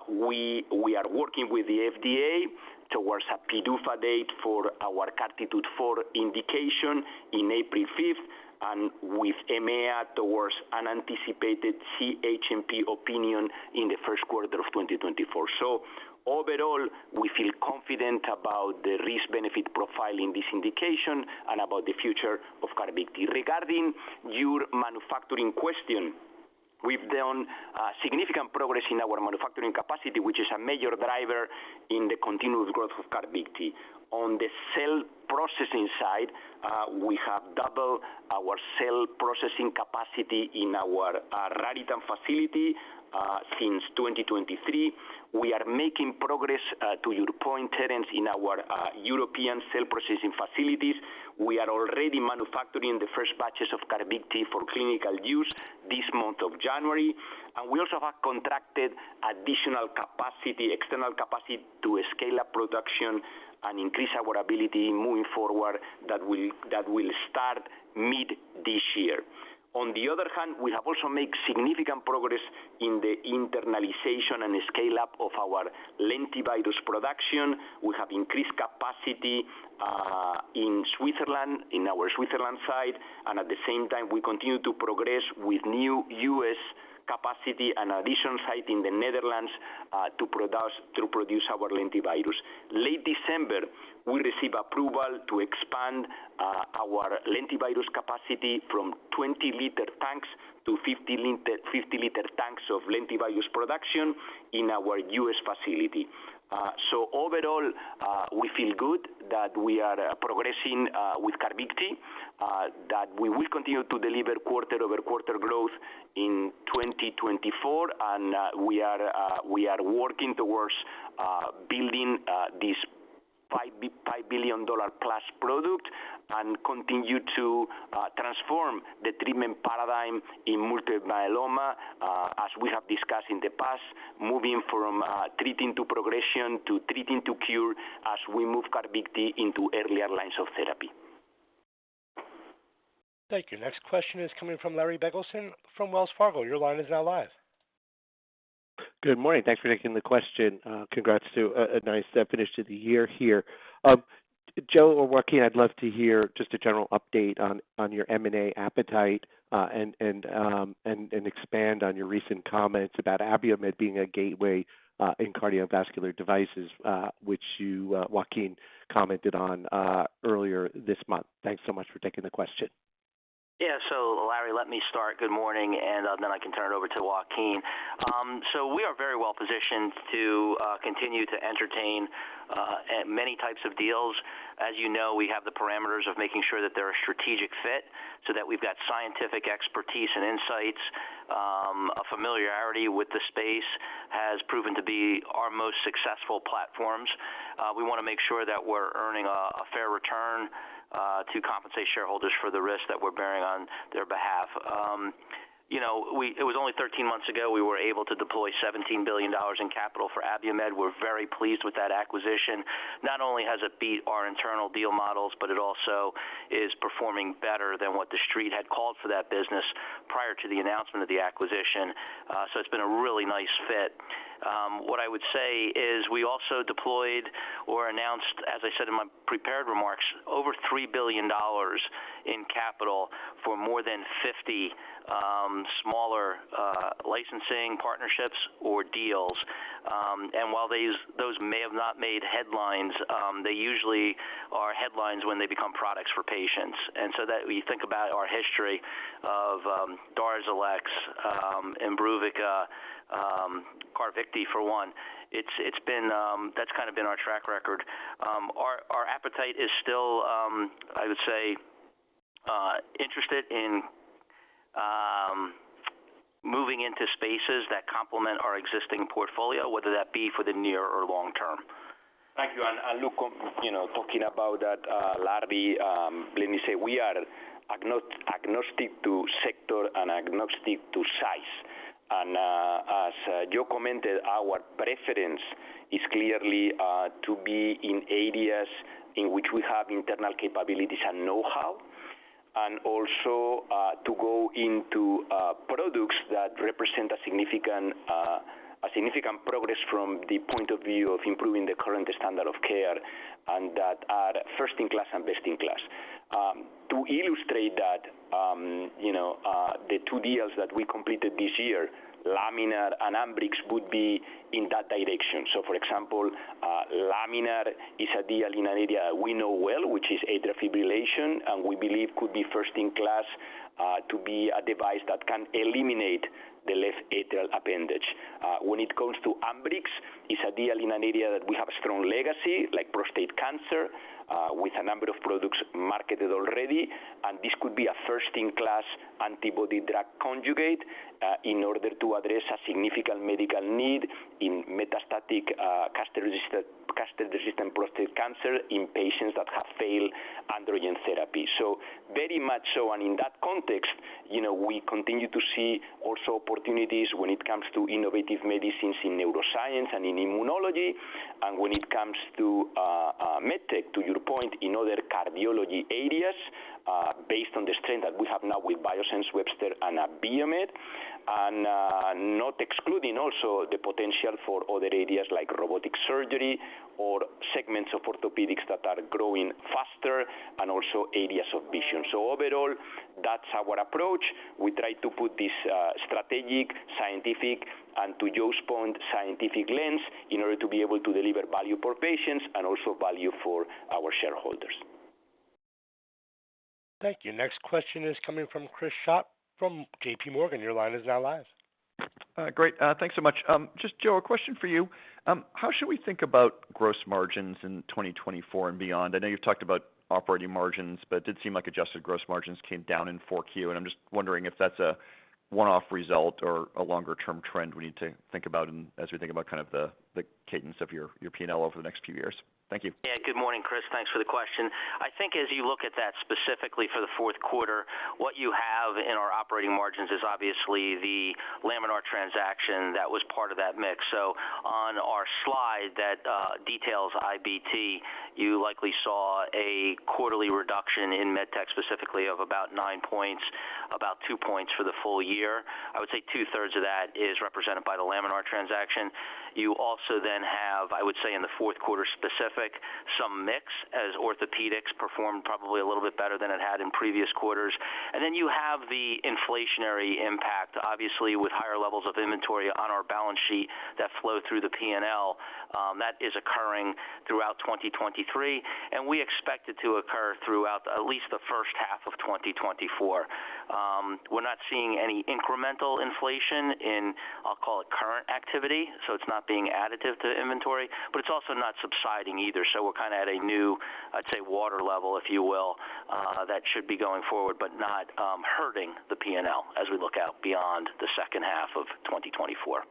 We are working with the FDA towards a PDUFA date for our CARTITUDE-4 indication in April 5th, and with EMA towards an anticipated CHMP opinion in the first quarter of 2024. So overall, we feel confident about the risk-benefit profile in this indication and about the future of CARVYKTI. Regarding your manufacturing question, we've done significant progress in our manufacturing capacity, which is a major driver in the continuous growth of CARVYKTI. On the cell processing side, we have doubled our cell processing capacity in our Raritan facility since 2023. We are making progress to your point, Terence, in our European cell processing facilities. We are already manufacturing the first batches of CARVYKTI for clinical use this month of January. And we also have contracted additional capacity, external capacity, to scale up production and increase our ability moving forward that will, that will start mid this year. On the other hand, we have also made significant progress in the internalization and scale-up of our lentivirus production. We have increased capacity in Switzerland, in our Switzerland site, and at the same time, we continue to progress with our new U.S. capacity and additional site in the Netherlands to produce our lentivirus. Late December, we receive approval to expand our lentivirus capacity from 20-liter tanks to 50-liter tanks of lentivirus production in our U.S. facility. So overall, we feel good that we are progressing with CARVYKTI that we will continue to deliver quarter-over-quarter growth in 2024. And we are working towards building this $5 billion-plus product and continue to transform the treatment paradigm in multiple myeloma, as we have discussed in the past, moving from treating to progression to treating to cure as we move CARVYKTI into earlier lines of therapy.
Thank you. Next question is coming from Larry Biegelsen from Wells Fargo. Your line is now live.
Good morning. Thanks for taking the question. Congrats to a nice finish to the year here. Joe or Joaquin, I'd love to hear just a general update on your M&A appetite, and expand on your recent comments about Abiomed being a gateway in cardiovascular devices, which you, Joaquin, commented on earlier this month. Thanks so much for taking the question.
Yeah. So Larry, let me start. Good morning, and, then I can turn it over to Joaquin. So we are very well positioned to continue to entertain at many types of deals. As you know, we have the parameters of making sure that they're a strategic fit so that we've got scientific expertise and insights. A familiarity with the space has proven to be our most successful platforms. We want to make sure that we're earning a fair return to compensate shareholders for the risk that we're bearing on their behalf. You know, we it was only 13 months ago, we were able to deploy $17 billion in capital for Abiomed. We're very pleased with that acquisition. Not only has it beat our internal deal models, but it also is performing better than what the street had called for that business prior to the announcement of the acquisition. So it's been a really nice fit. What I would say is we also deployed or announced, as I said in my prepared remarks, over $3 billion in capital for more than 50 smaller licensing partnerships or deals. And while those may have not made headlines, they usually are headlines when they become products for patients. And so that when you think about our history of DARZALEX, IMBRUVICA, CARVYKTI for one, it's, it's been. That's kind of been our track record. Our appetite is still, I would say, interested in moving into spaces that complement our existing portfolio, whether that be for the near or long term.
Thank you. And look, you know, talking about that, Larry, let me say, we are agnostic to sector and agnostic to size. And as Joe commented, our preference is clearly to be in areas in which we have internal capabilities and know-how, and also to go into products that represent a significant, a significant progress from the point of view of improving the current standard of care, and that are first in class and best in class. To illustrate that, you know, the two deals that we completed this year, Laminar and Ambrx, would be in that direction. So for example, Laminar is a deal in an area we know well, which is atrial fibrillation, and we believe could be first in class to be a device that can eliminate the left atrial appendage. When it comes to Ambrx, it's a deal in an area that we have a strong legacy, like prostate cancer, with a number of products marketed already. And this could be a first-in-class antibody drug conjugate, in order to address a significant medical need in metastatic, castrate-resistant, castrate-resistant prostate cancer in patients that have failed androgen therapy. So very much so, and in that context, you know, we continue to see also opportunities when it comes to innovative medicines in neuroscience and in immunology, and when it comes to, MedTech, to your point, in other cardiology areas, based on the strength that we have now with Biosense Webster and Abiomed, and, not excluding also the potential for other areas like robotic surgery or segments of orthopedics that are growing faster and also areas of vision. So overall, that's our approach. We try to put this strategic, scientific, and to Joe's point, scientific lens in order to be able to deliver value for patients and also value for our shareholders.
Thank you. Next question is coming from Chris Schott from JPMorgan. Your line is now live.
Great. Thanks so much. Just Joe, a question for you. How should we think about gross margins in 2024 and beyond? I know you've talked about operating margins, but it did seem like adjusted gross margins came down in Q4, and I'm just wondering if that's a one-off result or a longer-term trend we need to think about and as we think about kind of the, the cadence of your, your P&L over the next few years. Thank you.
Yeah, good morning, Chris. Thanks for the question. I think as you look at that specifically for the fourth quarter, what you have in our operating margins is obviously the Laminar transaction that was part of that mix. So on our slide that details IBT, you likely saw a quarterly reduction in MedTech, specifically of about nine points, about two points for the full year. I would say 2/3 of that is represented by the Laminar transaction. You also then have, I would say, in the fourth quarter specific, some mix as Orthopedics performed probably a little bit better than it had in previous quarters. Then you have the inflationary impact, obviously, with higher levels of inventory on our balance sheet that flow through the P&L, that is occurring throughout 2023, and we expect it to occur throughout at least the first half of 2024. We're not seeing any incremental inflation in, I'll call it, current activity, so it's not being additive to inventory, but it's also not subsiding either. We're kind of at a new, I'd say, water level, if you will, that should be going forward, but not hurting the P&L as we look out beyond the second half of 2024.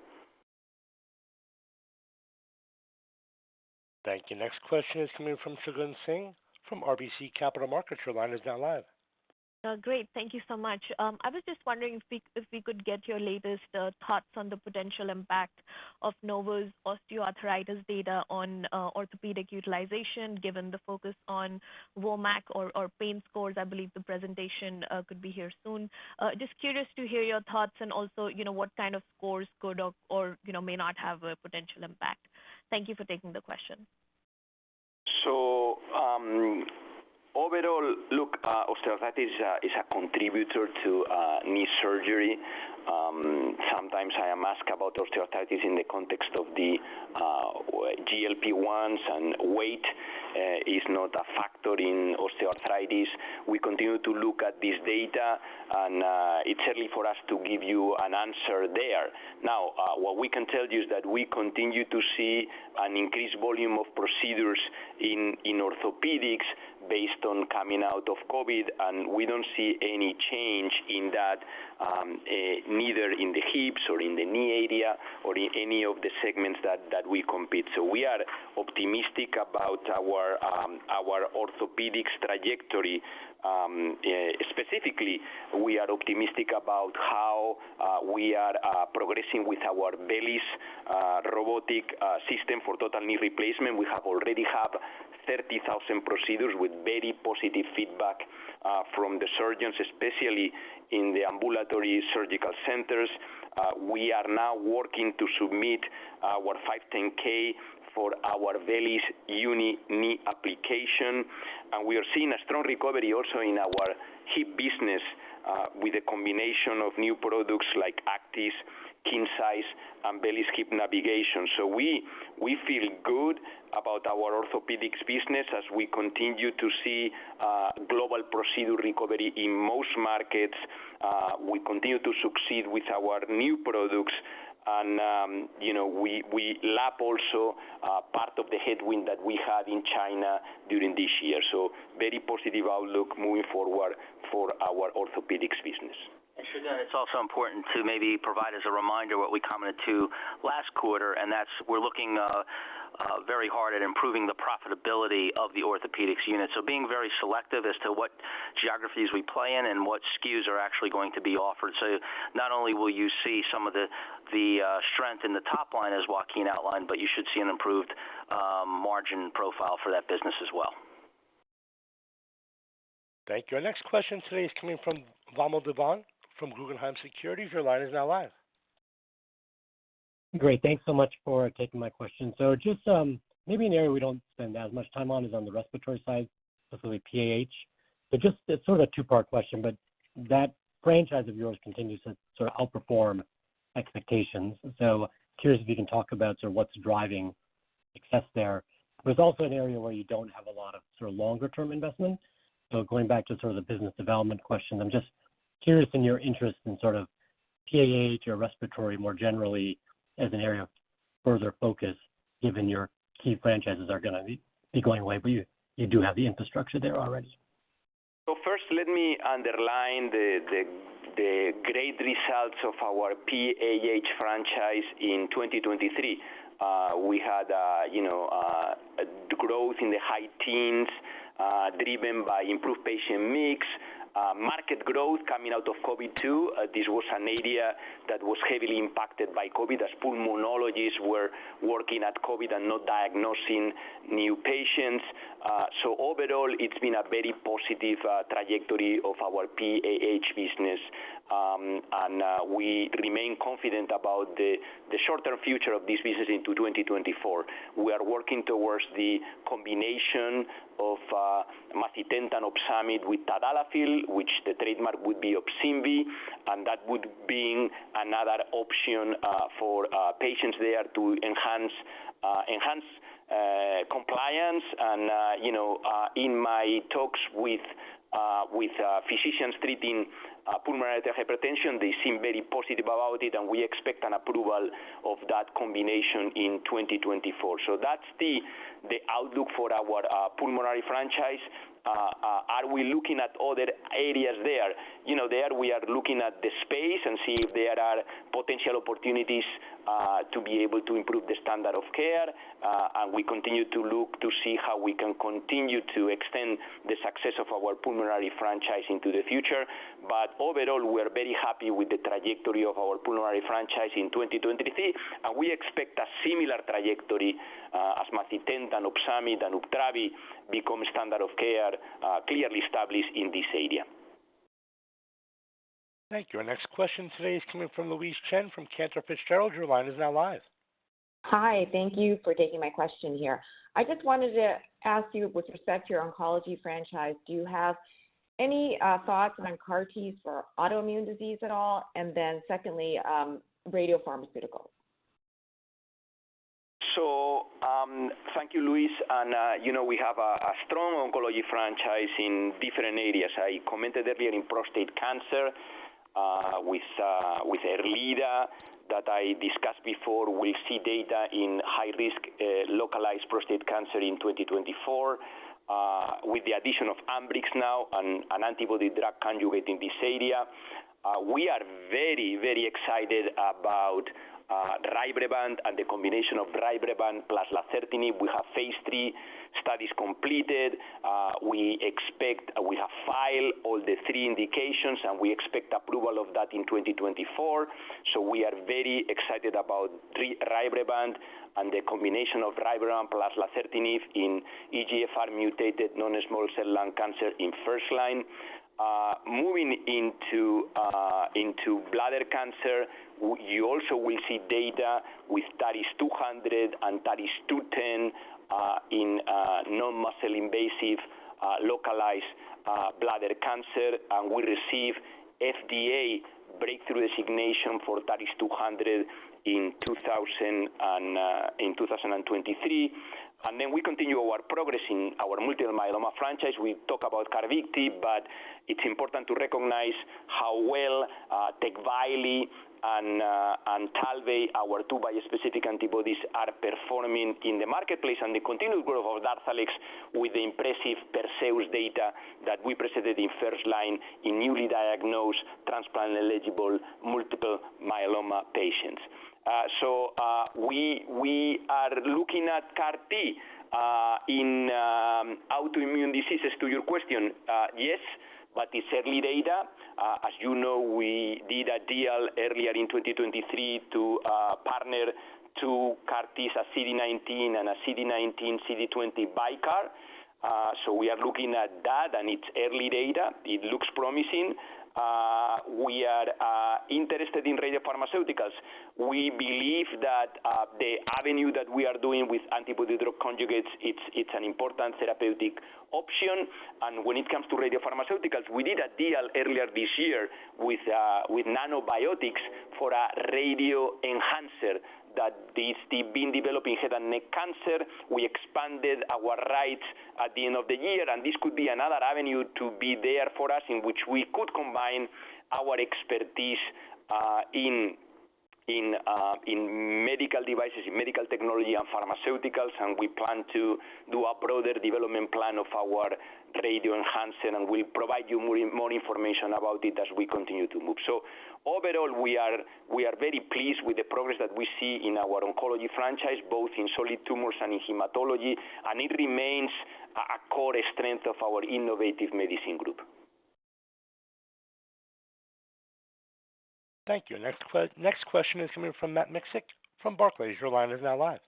Thank you. Next question is coming from Shagun Singh from RBC Capital Markets. Your line is now live.
Great. Thank you so much. I was just wondering if we could get your latest thoughts on the potential impact of Novo's osteoarthritis data on orthopedic utilization, given the focus on WOMAC or pain scores. I believe the presentation could be here soon. Just curious to hear your thoughts and also, you know, what kind of scores could or may not have a potential impact. Thank you for taking the question.
So, overall, look, osteoarthritis is a contributor to knee surgery. Sometimes I am asked about osteoarthritis in the context of the GLP-1s, and weight is not a factor in osteoarthritis. We continue to look at this data, and it's early for us to give you an answer there. Now, what we can tell you is that we continue to see an increased volume of procedures in orthopedics based on coming out of COVID, and we don't see any change in that, neither in the hips or in the knee area or in any of the segments that we compete. So we are optimistic about our orthopedics trajectory. Specifically, we are optimistic about how we are progressing with our VELYS robotic system for total knee replacement. We already have 30,000 procedures with very positive feedback from the surgeons, especially in the ambulatory surgical centers. We are now working to submit our 510(k) for our VELYS uni knee application. We are seeing a strong recovery also in our hip business with a combination of new products like ACTIS, KINCISE, and VELYS Hip Navigation. So, we feel good about our orthopedics business as we continue to see global procedure recovery in most markets. We continue to succeed with our new products, and you know, we lap also part of the headwind that we had in China during this year. So very positive outlook moving forward for our orthopedics business.
And Shagun, it's also important to maybe provide as a reminder what we commented to last quarter, and that's we're looking very hard at improving the profitability of the orthopedics unit. So being very selective as to what geographies we play in and what SKUs are actually going to be offered. So not only will you see some of the strength in the top line as Joaquin outlined, but you should see an improved margin profile for that business as well.
Thank you. Our next question today is coming from Vamil Divan from Guggenheim Securities. Your line is now live.
Great. Thanks so much for taking my question. So just, maybe an area we don't spend as much time on is on the respiratory side, specifically PAH. So just it's sort of a two-part question, but that franchise of yours continues to sort of outperform expectations. So curious if you can talk about sort of what's driving success there. But it's also an area where you don't have a lot of sort of longer-term investment. So going back to sort of the business development question, I'm just curious in your interest in sort of PAH or respiratory more generally as an area of further focus, given your key franchises are going to be going away, but you do have the infrastructure there already.
So first, let me underline the great results of our PAH franchise in 2023. We had, you know, a growth in the high teens, driven by improved patient mix, market growth coming out of COVID, too. This was an area that was heavily impacted by COVID, as pulmonologists were working at COVID and not diagnosing new patients. So overall, it's been a very positive trajectory of our PAH business. And we remain confident about the short-term future of this business into 2024. We are working towards the combination of macitentan OPSYNVI with tadalafil, which the trademark would be OPSYNVI, and that would bring another option for patients there to enhance compliance. You know, in my talks with physicians treating pulmonary hypertension, they seem very positive about it, and we expect an approval of that combination in 2024. So that's the outlook for our pulmonary franchise. Are we looking at other areas there? You know, there we are looking at the space and see if there are potential opportunities to be able to improve the standard of care. And we continue to look to see how we can continue to extend the success of our pulmonary franchise into the future. But overall, we're very happy with the trajectory of our pulmonary franchise in 2023, and we expect a similar trajectory as macitentan, OPSYNVI, and UPTRAVI become standard of care, clearly established in this area.
Thank you. Our next question today is coming from Louise Chen from Cantor Fitzgerald. Your line is now live.
Hi, thank you for taking my question here. I just wanted to ask you, with respect to your oncology franchise, do you have any thoughts on CAR-Ts for autoimmune disease at all? And then secondly, radiopharmaceuticals.
So, thank you, Louise. And, you know, we have a strong oncology franchise in different areas. I commented earlier in prostate cancer, with ERLEADA that I discussed before. We see data in high risk, localized prostate cancer in 2024, with the addition of Ambrx now and an antibody drug conjugate in this area. We are very, very excited about RYBREVANT and the combination of RYBREVANT plus lazertinib. We have phase III studies completed. We expect-- We have filed all the three indications, and we expect approval of that in 2024. So we are very excited about the RYBREVANT and the combination of RYBREVANT plus lazertinib in EGFR mutated non-small cell lung cancer in first line. Moving into bladder cancer, you also will see data with TAR-200 and TAR-210 in non-muscle invasive localized bladder cancer. We receive FDA breakthrough designation for TAR-200 in 2023. We continue our progress in our multiple myeloma franchise. We talk about CARVYKTI, but it's important to recognize how well TECVAYLI and TALVEY, our two bispecific antibodies, are performing in the marketplace, and the continued growth of DARZALEX with the impressive PERSEUS data that we presented in first line in newly diagnosed transplant-eligible multiple myeloma patients. So, we are looking at CAR-T in autoimmune diseases, to your question. Yes, but it's early data. As you know, we did a deal earlier in 2023 to partner two CAR Ts, a CD19 and a CD19/CD20 bi-CAR. So, we are looking at that, and its early data. It looks promising. We are interested in radiopharmaceuticals. We believe that the avenue that we are doing with antibody-drug conjugates, it's, it's an important therapeutic option. And when it comes to radiopharmaceuticals, we did a deal earlier this year with Nanobiotix for a radioenhancer that is being developed in head and neck cancer. We expanded our rights at the end of the year, and this could be another avenue to be there for us, in which we could combine our expertise in medical devices, in medical technology and pharmaceuticals. We plan to do a broader development plan of our radioenhancer, and we'll provide you more, more information about it as we continue to move. So overall, we are, we are very pleased with the progress that we see in our oncology franchise, both in solid tumors and in hematology, and it remains a core strength of our innovative medicine group.
Thank you. Next question is coming from Matt Miksic from Barclays. Your line is now live.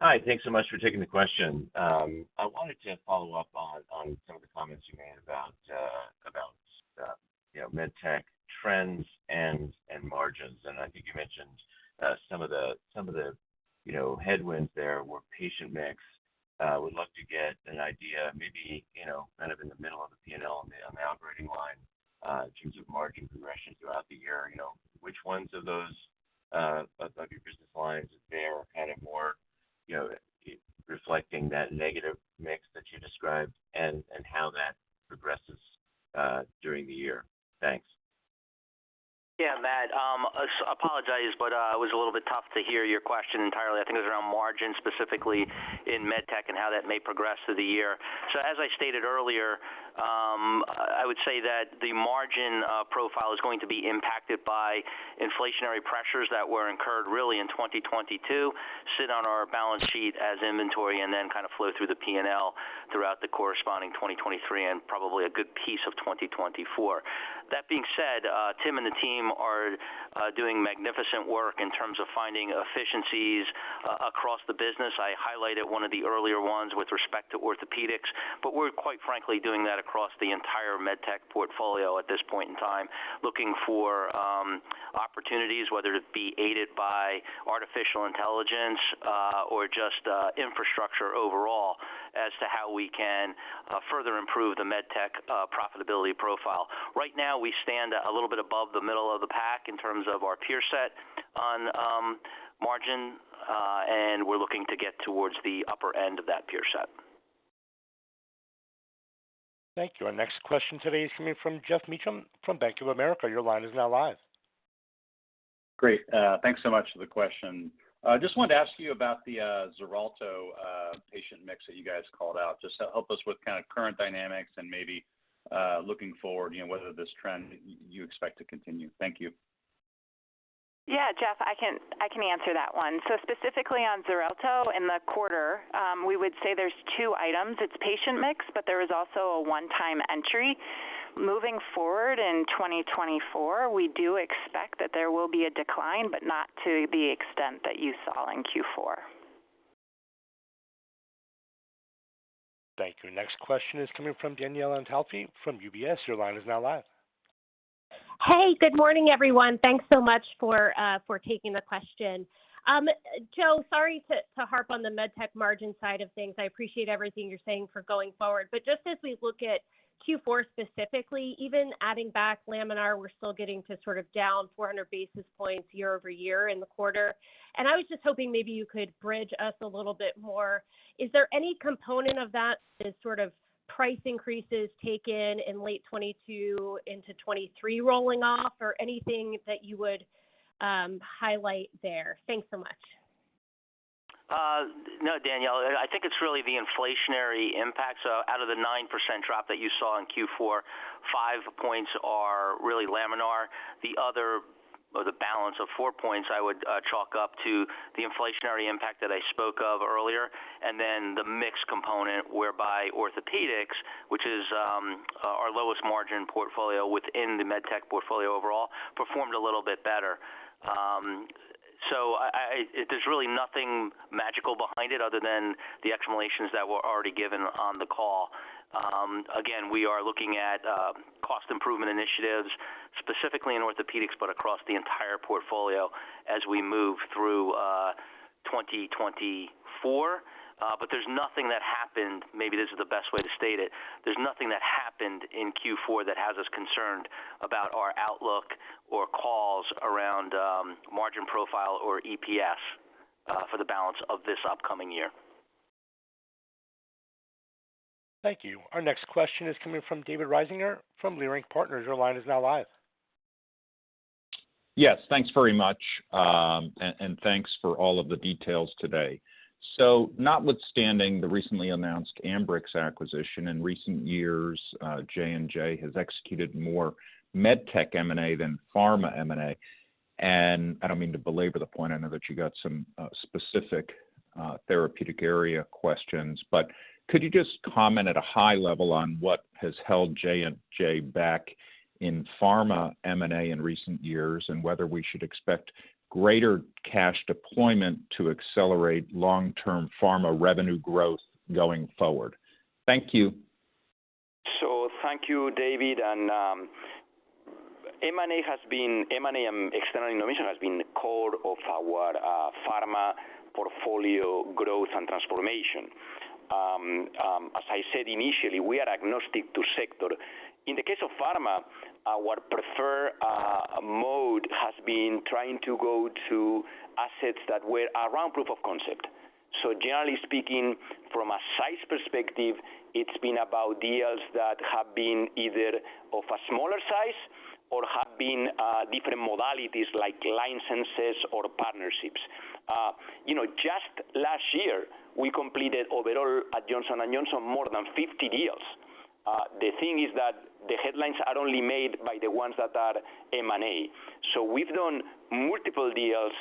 Hi, thanks so much for taking the question. I wanted to follow up on some of the comments you made about you know, MedTech trends and margins. I think you mentioned some of the you know, headwinds there were patient mix. Would love to get an idea, maybe you know, kind of in the middle of the P&L on the operating line in terms of margin progression throughout the year. You know, which ones of those of your business lines there are kind of more you know, reflecting that negative mix that you described and how that progresses during the year? Thanks.
Yeah, Matt, I apologize, but, it was a little bit tough to hear your question entirely. I think it was around margin, specifically in MedTech and how that may progress through the year. So as I stated earlier, I would say that the margin profile is going to be impacted by inflationary pressures that were incurred really in 2022, sit on our balance sheet as inventory, and then kind of flow through the P&L throughout the corresponding 2023 and probably a good piece of 2024. That being said, Tim and the team are doing magnificent work in terms of finding efficiencies across the business. I highlighted one of the earlier ones with respect to orthopedics, but we're quite frankly doing that across the entire MedTech portfolio at this point in time, looking for opportunities, whether it be aided by artificial intelligence, or just infrastructure overall, as to how we can further improve the MedTech profitability profile. Right now, we stand a little bit above the middle of the pack in terms of our peer set on margin, and we're looking to get towards the upper end of that peer set.
Thank you. Our next question today is coming from Geoff Meacham from Bank of America. Your line is now live.
Great. Thanks so much for the question. I just wanted to ask you about the XARELTO patient mix that you guys called out. Just help us with kind of current dynamics and maybe looking forward, you know, whether this trend you expect to continue? Thank you.
Yeah, Geoff, I can answer that one. So specifically, on XARELTO in the quarter, we would say there's two items: it's patient mix, but there is also a one-time entry. Moving forward in 2024, we do expect that there will be a decline, but not to the extent that you saw in Q4.
Thank you. Next question is coming from Danielle Antalffy from UBS. Your line is now live.
Hey, good morning, everyone. Thanks so much for taking the question. Joe, sorry to, to harp on the MedTech margin side of things. I appreciate everything you're saying for going forward. But just as we look at Q4 specifically, even adding back Laminar, we're still getting to sort of down 400 basis points year-over-year in the quarter. And I was just hoping maybe you could bridge us a little bit more. Is there any component of that is sort of price increases taken in late 2022 into 2023 rolling off or anything that you would highlight there? Thanks so much.
No, Danielle, I think it's really the inflationary impact. So out of the 9% drop that you saw in Q4, five points are really Laminar. The other or the balance of four points, I would chalk up to the inflationary impact that I spoke of earlier, and then the mix component, whereby orthopedics, which is our lowest margin portfolio within the MedTech portfolio overall, performed a little bit better. So there's really nothing magical behind it other than the explanations that were already given on the call. Again, we are looking at cost improvement initiatives, specifically in orthopedics, but across the entire portfolio as we move through 2024. But there's nothing that happened. Maybe this is the best way to state it. There's nothing that happened in Q4 that has us concerned about our outlook or calls around margin profile or EPS for the balance of this upcoming year.
Thank you. Our next question is coming from David Risinger from Leerink Partners. Your line is now live.
Yes, thanks very much, and thanks for all of the details today. So notwithstanding the recently announced Ambrx acquisition, in recent years, J&J has executed more MedTech M&A than pharma M&A. And I don't mean to belabor the point. I know that you got some specific therapeutic area questions, but could you just comment at a high level on what has held J&J back in pharma M&A in recent years, and whether we should expect greater cash deployment to accelerate long-term pharma revenue growth going forward? Thank you.
So thank you, David. M&A and external innovation has been the core of our pharma portfolio growth and transformation. As I said initially, we are agnostic to sector. In the case of pharma, our preferred mode has been trying to go to assets that were around proof of concept. So generally speaking, from a size perspective, it's been about deals that have been either of a smaller size or have been different modalities like licensing or partnerships. You know, just last year, we completed overall at Johnson & Johnson more than 50 deals. The thing is that the headlines are only made by the ones that are M&A. So we've done multiple deals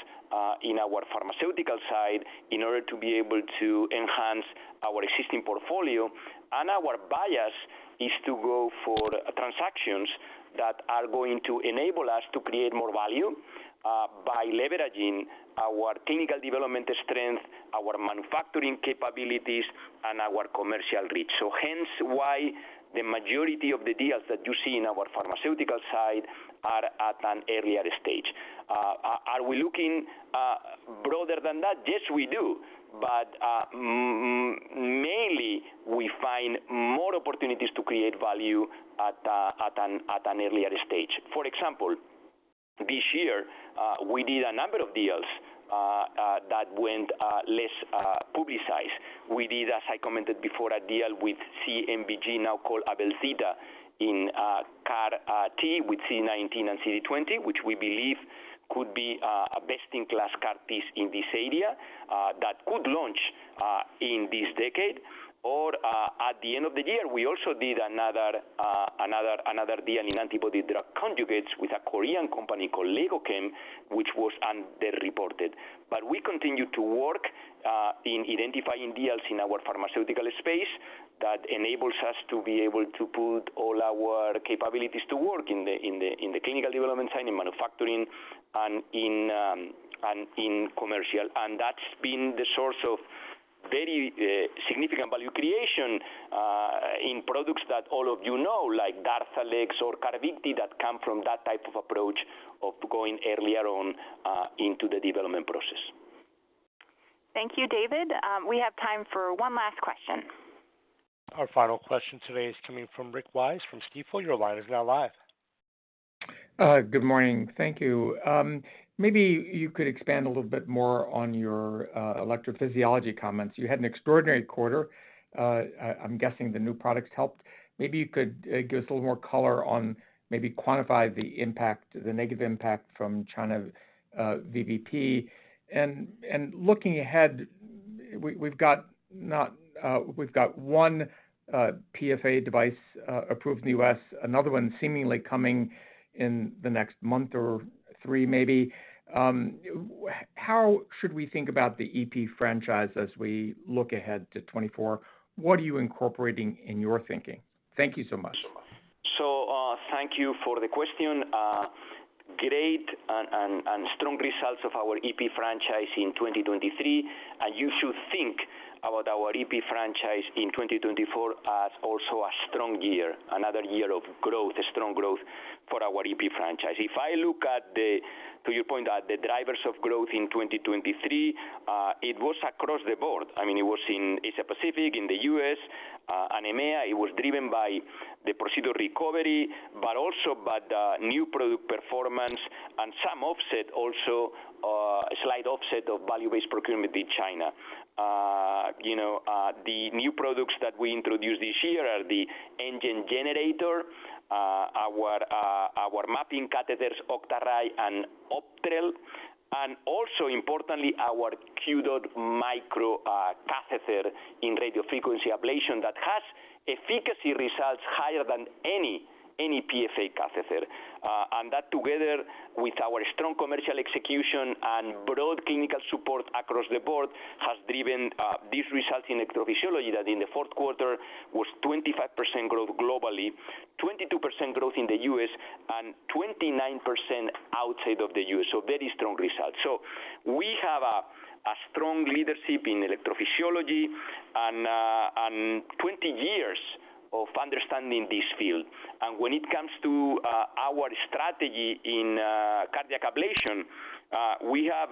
in our pharmaceutical side in order to be able to enhance our existing portfolio. Our bias is to go for transactions that are going to enable us to create more value by leveraging our clinical development strength, our manufacturing capabilities, and our commercial reach. So hence why the majority of the deals that you see in our pharmaceutical side are at an earlier stage. Are we looking broader than that? Yes, we do. But mainly, we find more opportunities to create value at an earlier stage. For example, this year we did a number of deals that went less publicized. We did, as I commented before, a deal with CBMG, now called AbelZeta, in CAR-T, with CD19 and CD20, which we believe could be a best-in-class CAR-T in this area that could launch in this decade. Or, at the end of the year, we also did another deal in antibody drug conjugates with a Korean company called LegoChem, which was underreported. But we continue to work in identifying deals in our pharmaceutical space that enables us to be able to put all our capabilities to work in the clinical development side, in manufacturing, and in commercial. And that's been the source of very significant value creation in products that all of you know, like DARZALEX or CARVYKTI, that come from that type of approach of going earlier on into the development process.
Thank you, David. We have time for one last question.
Our final question today is coming from Rick Wise from Stifel. Your line is now live.
Good morning. Thank you. Maybe you could expand a little bit more on your electrophysiology comments. You had an extraordinary quarter. I'm guessing the new products helped. Maybe you could give us a little more color on maybe quantify the impact, the negative impact from China, VBP. And looking ahead, we've got one PFA device approved in the U.S., another one seemingly coming in the next month or three, maybe. How should we think about the EP franchise as we look ahead to 2024? What are you incorporating in your thinking? Thank you so much.
So, thank you for the question. Great and strong results of our EP franchise in 2023. And you should think about our EP franchise in 2024 as also a strong year, another year of growth, strong growth for our EP franchise. If I look at, to your point, the drivers of growth in 2023, it was across the board. I mean, it was in Asia Pacific, in the U.S., and EMEA. It was driven by the procedural recovery, but also by the new product performance and some offset also, a slight offset of volume-based procurement in China. You know, the new products that we introduced this year are the nGEN generator, our mapping catheters, OCTARAY and OPTRELL, and also importantly, our QDOT MICRO catheter in radiofrequency ablation that has efficacy results higher than any PFA catheter. And that, together with our strong commercial execution and broad clinical support across the board, has driven these results in electrophysiology that in the fourth quarter was 25% growth globally, 22% growth in the U.S., and 29% outside of the U.S. So very strong results. So we have a strong leadership in electrophysiology and 20 years of understanding this field. And when it comes to our strategy in cardiac ablation, we have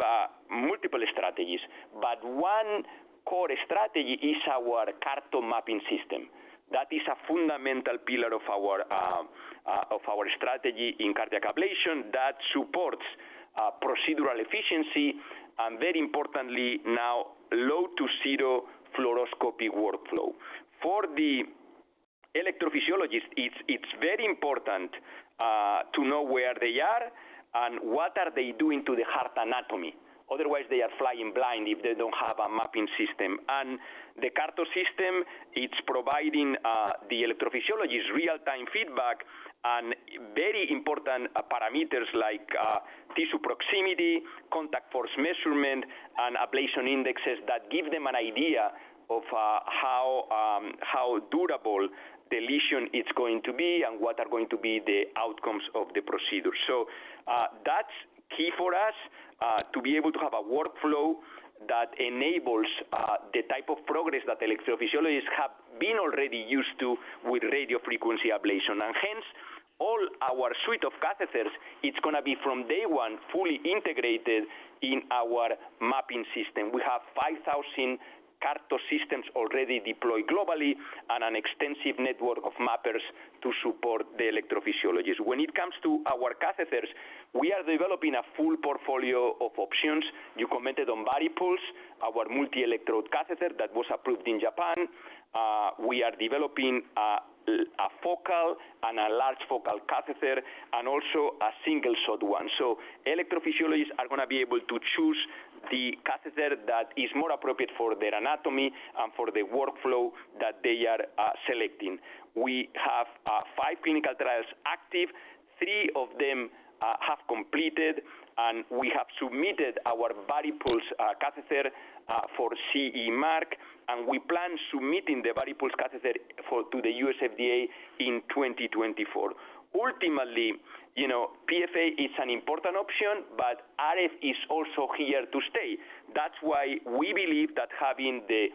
multiple strategies, but one core strategy is our CARTO mapping system. That is a fundamental pillar of our strategy in cardiac ablation that supports procedural efficiency, and very importantly, now, low to zero fluoroscopy workflow. For the electrophysiologist, it's very important to know where they are and what are they doing to the heart anatomy. Otherwise, they are flying blind if they don't have a mapping system. And the CARTO system, it's providing the electrophysiologist real-time feedback on very important parameters like tissue proximity, contact force measurement, and ablation indexes that give them an idea of how durable the lesion is going to be and what are going to be the outcomes of the procedure. So, that's key for us to be able to have a workflow that enables the type of progress that electrophysiologists have been already used to with radiofrequency ablation. Hence, all our suite of catheters, it's going to be, from day one, fully integrated in our mapping system. We have 5,000 CARTO systems already deployed globally and an extensive network of mappers to support the electrophysiologist. When it comes to our catheters, we are developing a full portfolio of options. You commented on VARIPULSE, our multi-electrode catheter that was approved in Japan. We are developing a focal and a large focal catheter, and also a single-shot one. So, electrophysiologists are going to be able to choose the catheter that is more appropriate for their anatomy and for the workflow that they are selecting. We have 5 clinical trials active. 3 of them have completed, and we have submitted our VARIPULSE catheter for CE Mark, and we plan submitting the VARIPULSE catheter to the U.S. FDA in 2024. Ultimately, you know, PFA is an important option, but RF is also here to stay. That's why we believe that having the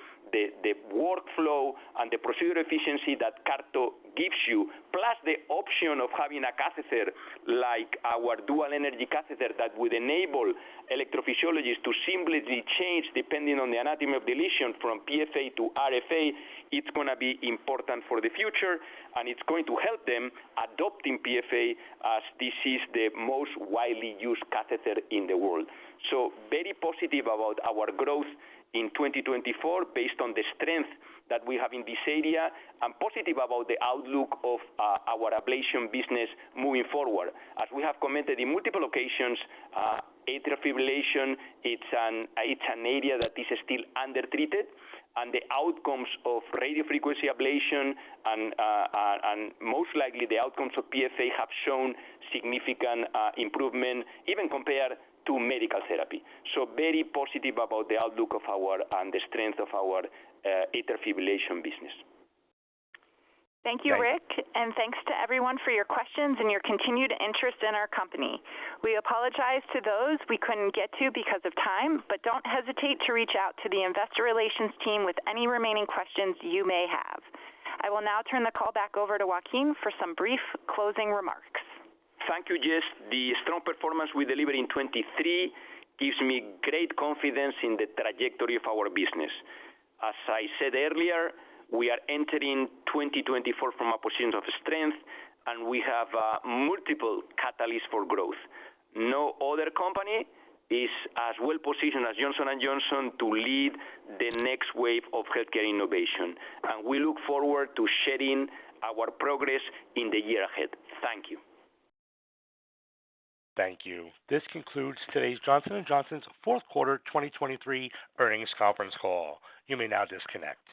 workflow and the procedure efficiency that CARTO gives you, plus the option of having a catheter like our dual energy catheter, that would enable electrophysiologists to simply change, depending on the anatomy of the lesion, from PFA to RFA, it's going to be important for the future, and it's going to help them adopting PFA as this is the most widely used catheter in the world. So very positive about our growth in 2024, based on the strength that we have in this area, and positive about the outlook of our ablation business moving forward. As we have commented in multiple occasions, atrial fibrillation, it's an area that is still undertreated, and the outcomes of radiofrequency ablation and most likely, the outcomes of PFA have shown significant improvement even compared to medical therapy. So very positive about the outlook of our... and the strength of our atrial fibrillation business.
Thank you, Rick, and thanks to everyone for your questions and your continued interest in our company. We apologize to those we couldn't get to because of time, but don't hesitate to reach out to the investor relations team with any remaining questions you may have. I will now turn the call back over to Joaquin for some brief closing remarks.
Thank you, Jess. The strong performance we delivered in 2023 gives me great confidence in the trajectory of our business. As I said earlier, we are entering 2024 from a position of strength, and we have, multiple catalysts for growth. No other company is as well positioned as Johnson & Johnson to lead the next wave of healthcare innovation, and we look forward to sharing our progress in the year ahead. Thank you.
Thank you. This concludes today's Johnson & Johnson's fourth quarter 2023 earnings conference call. You may now disconnect.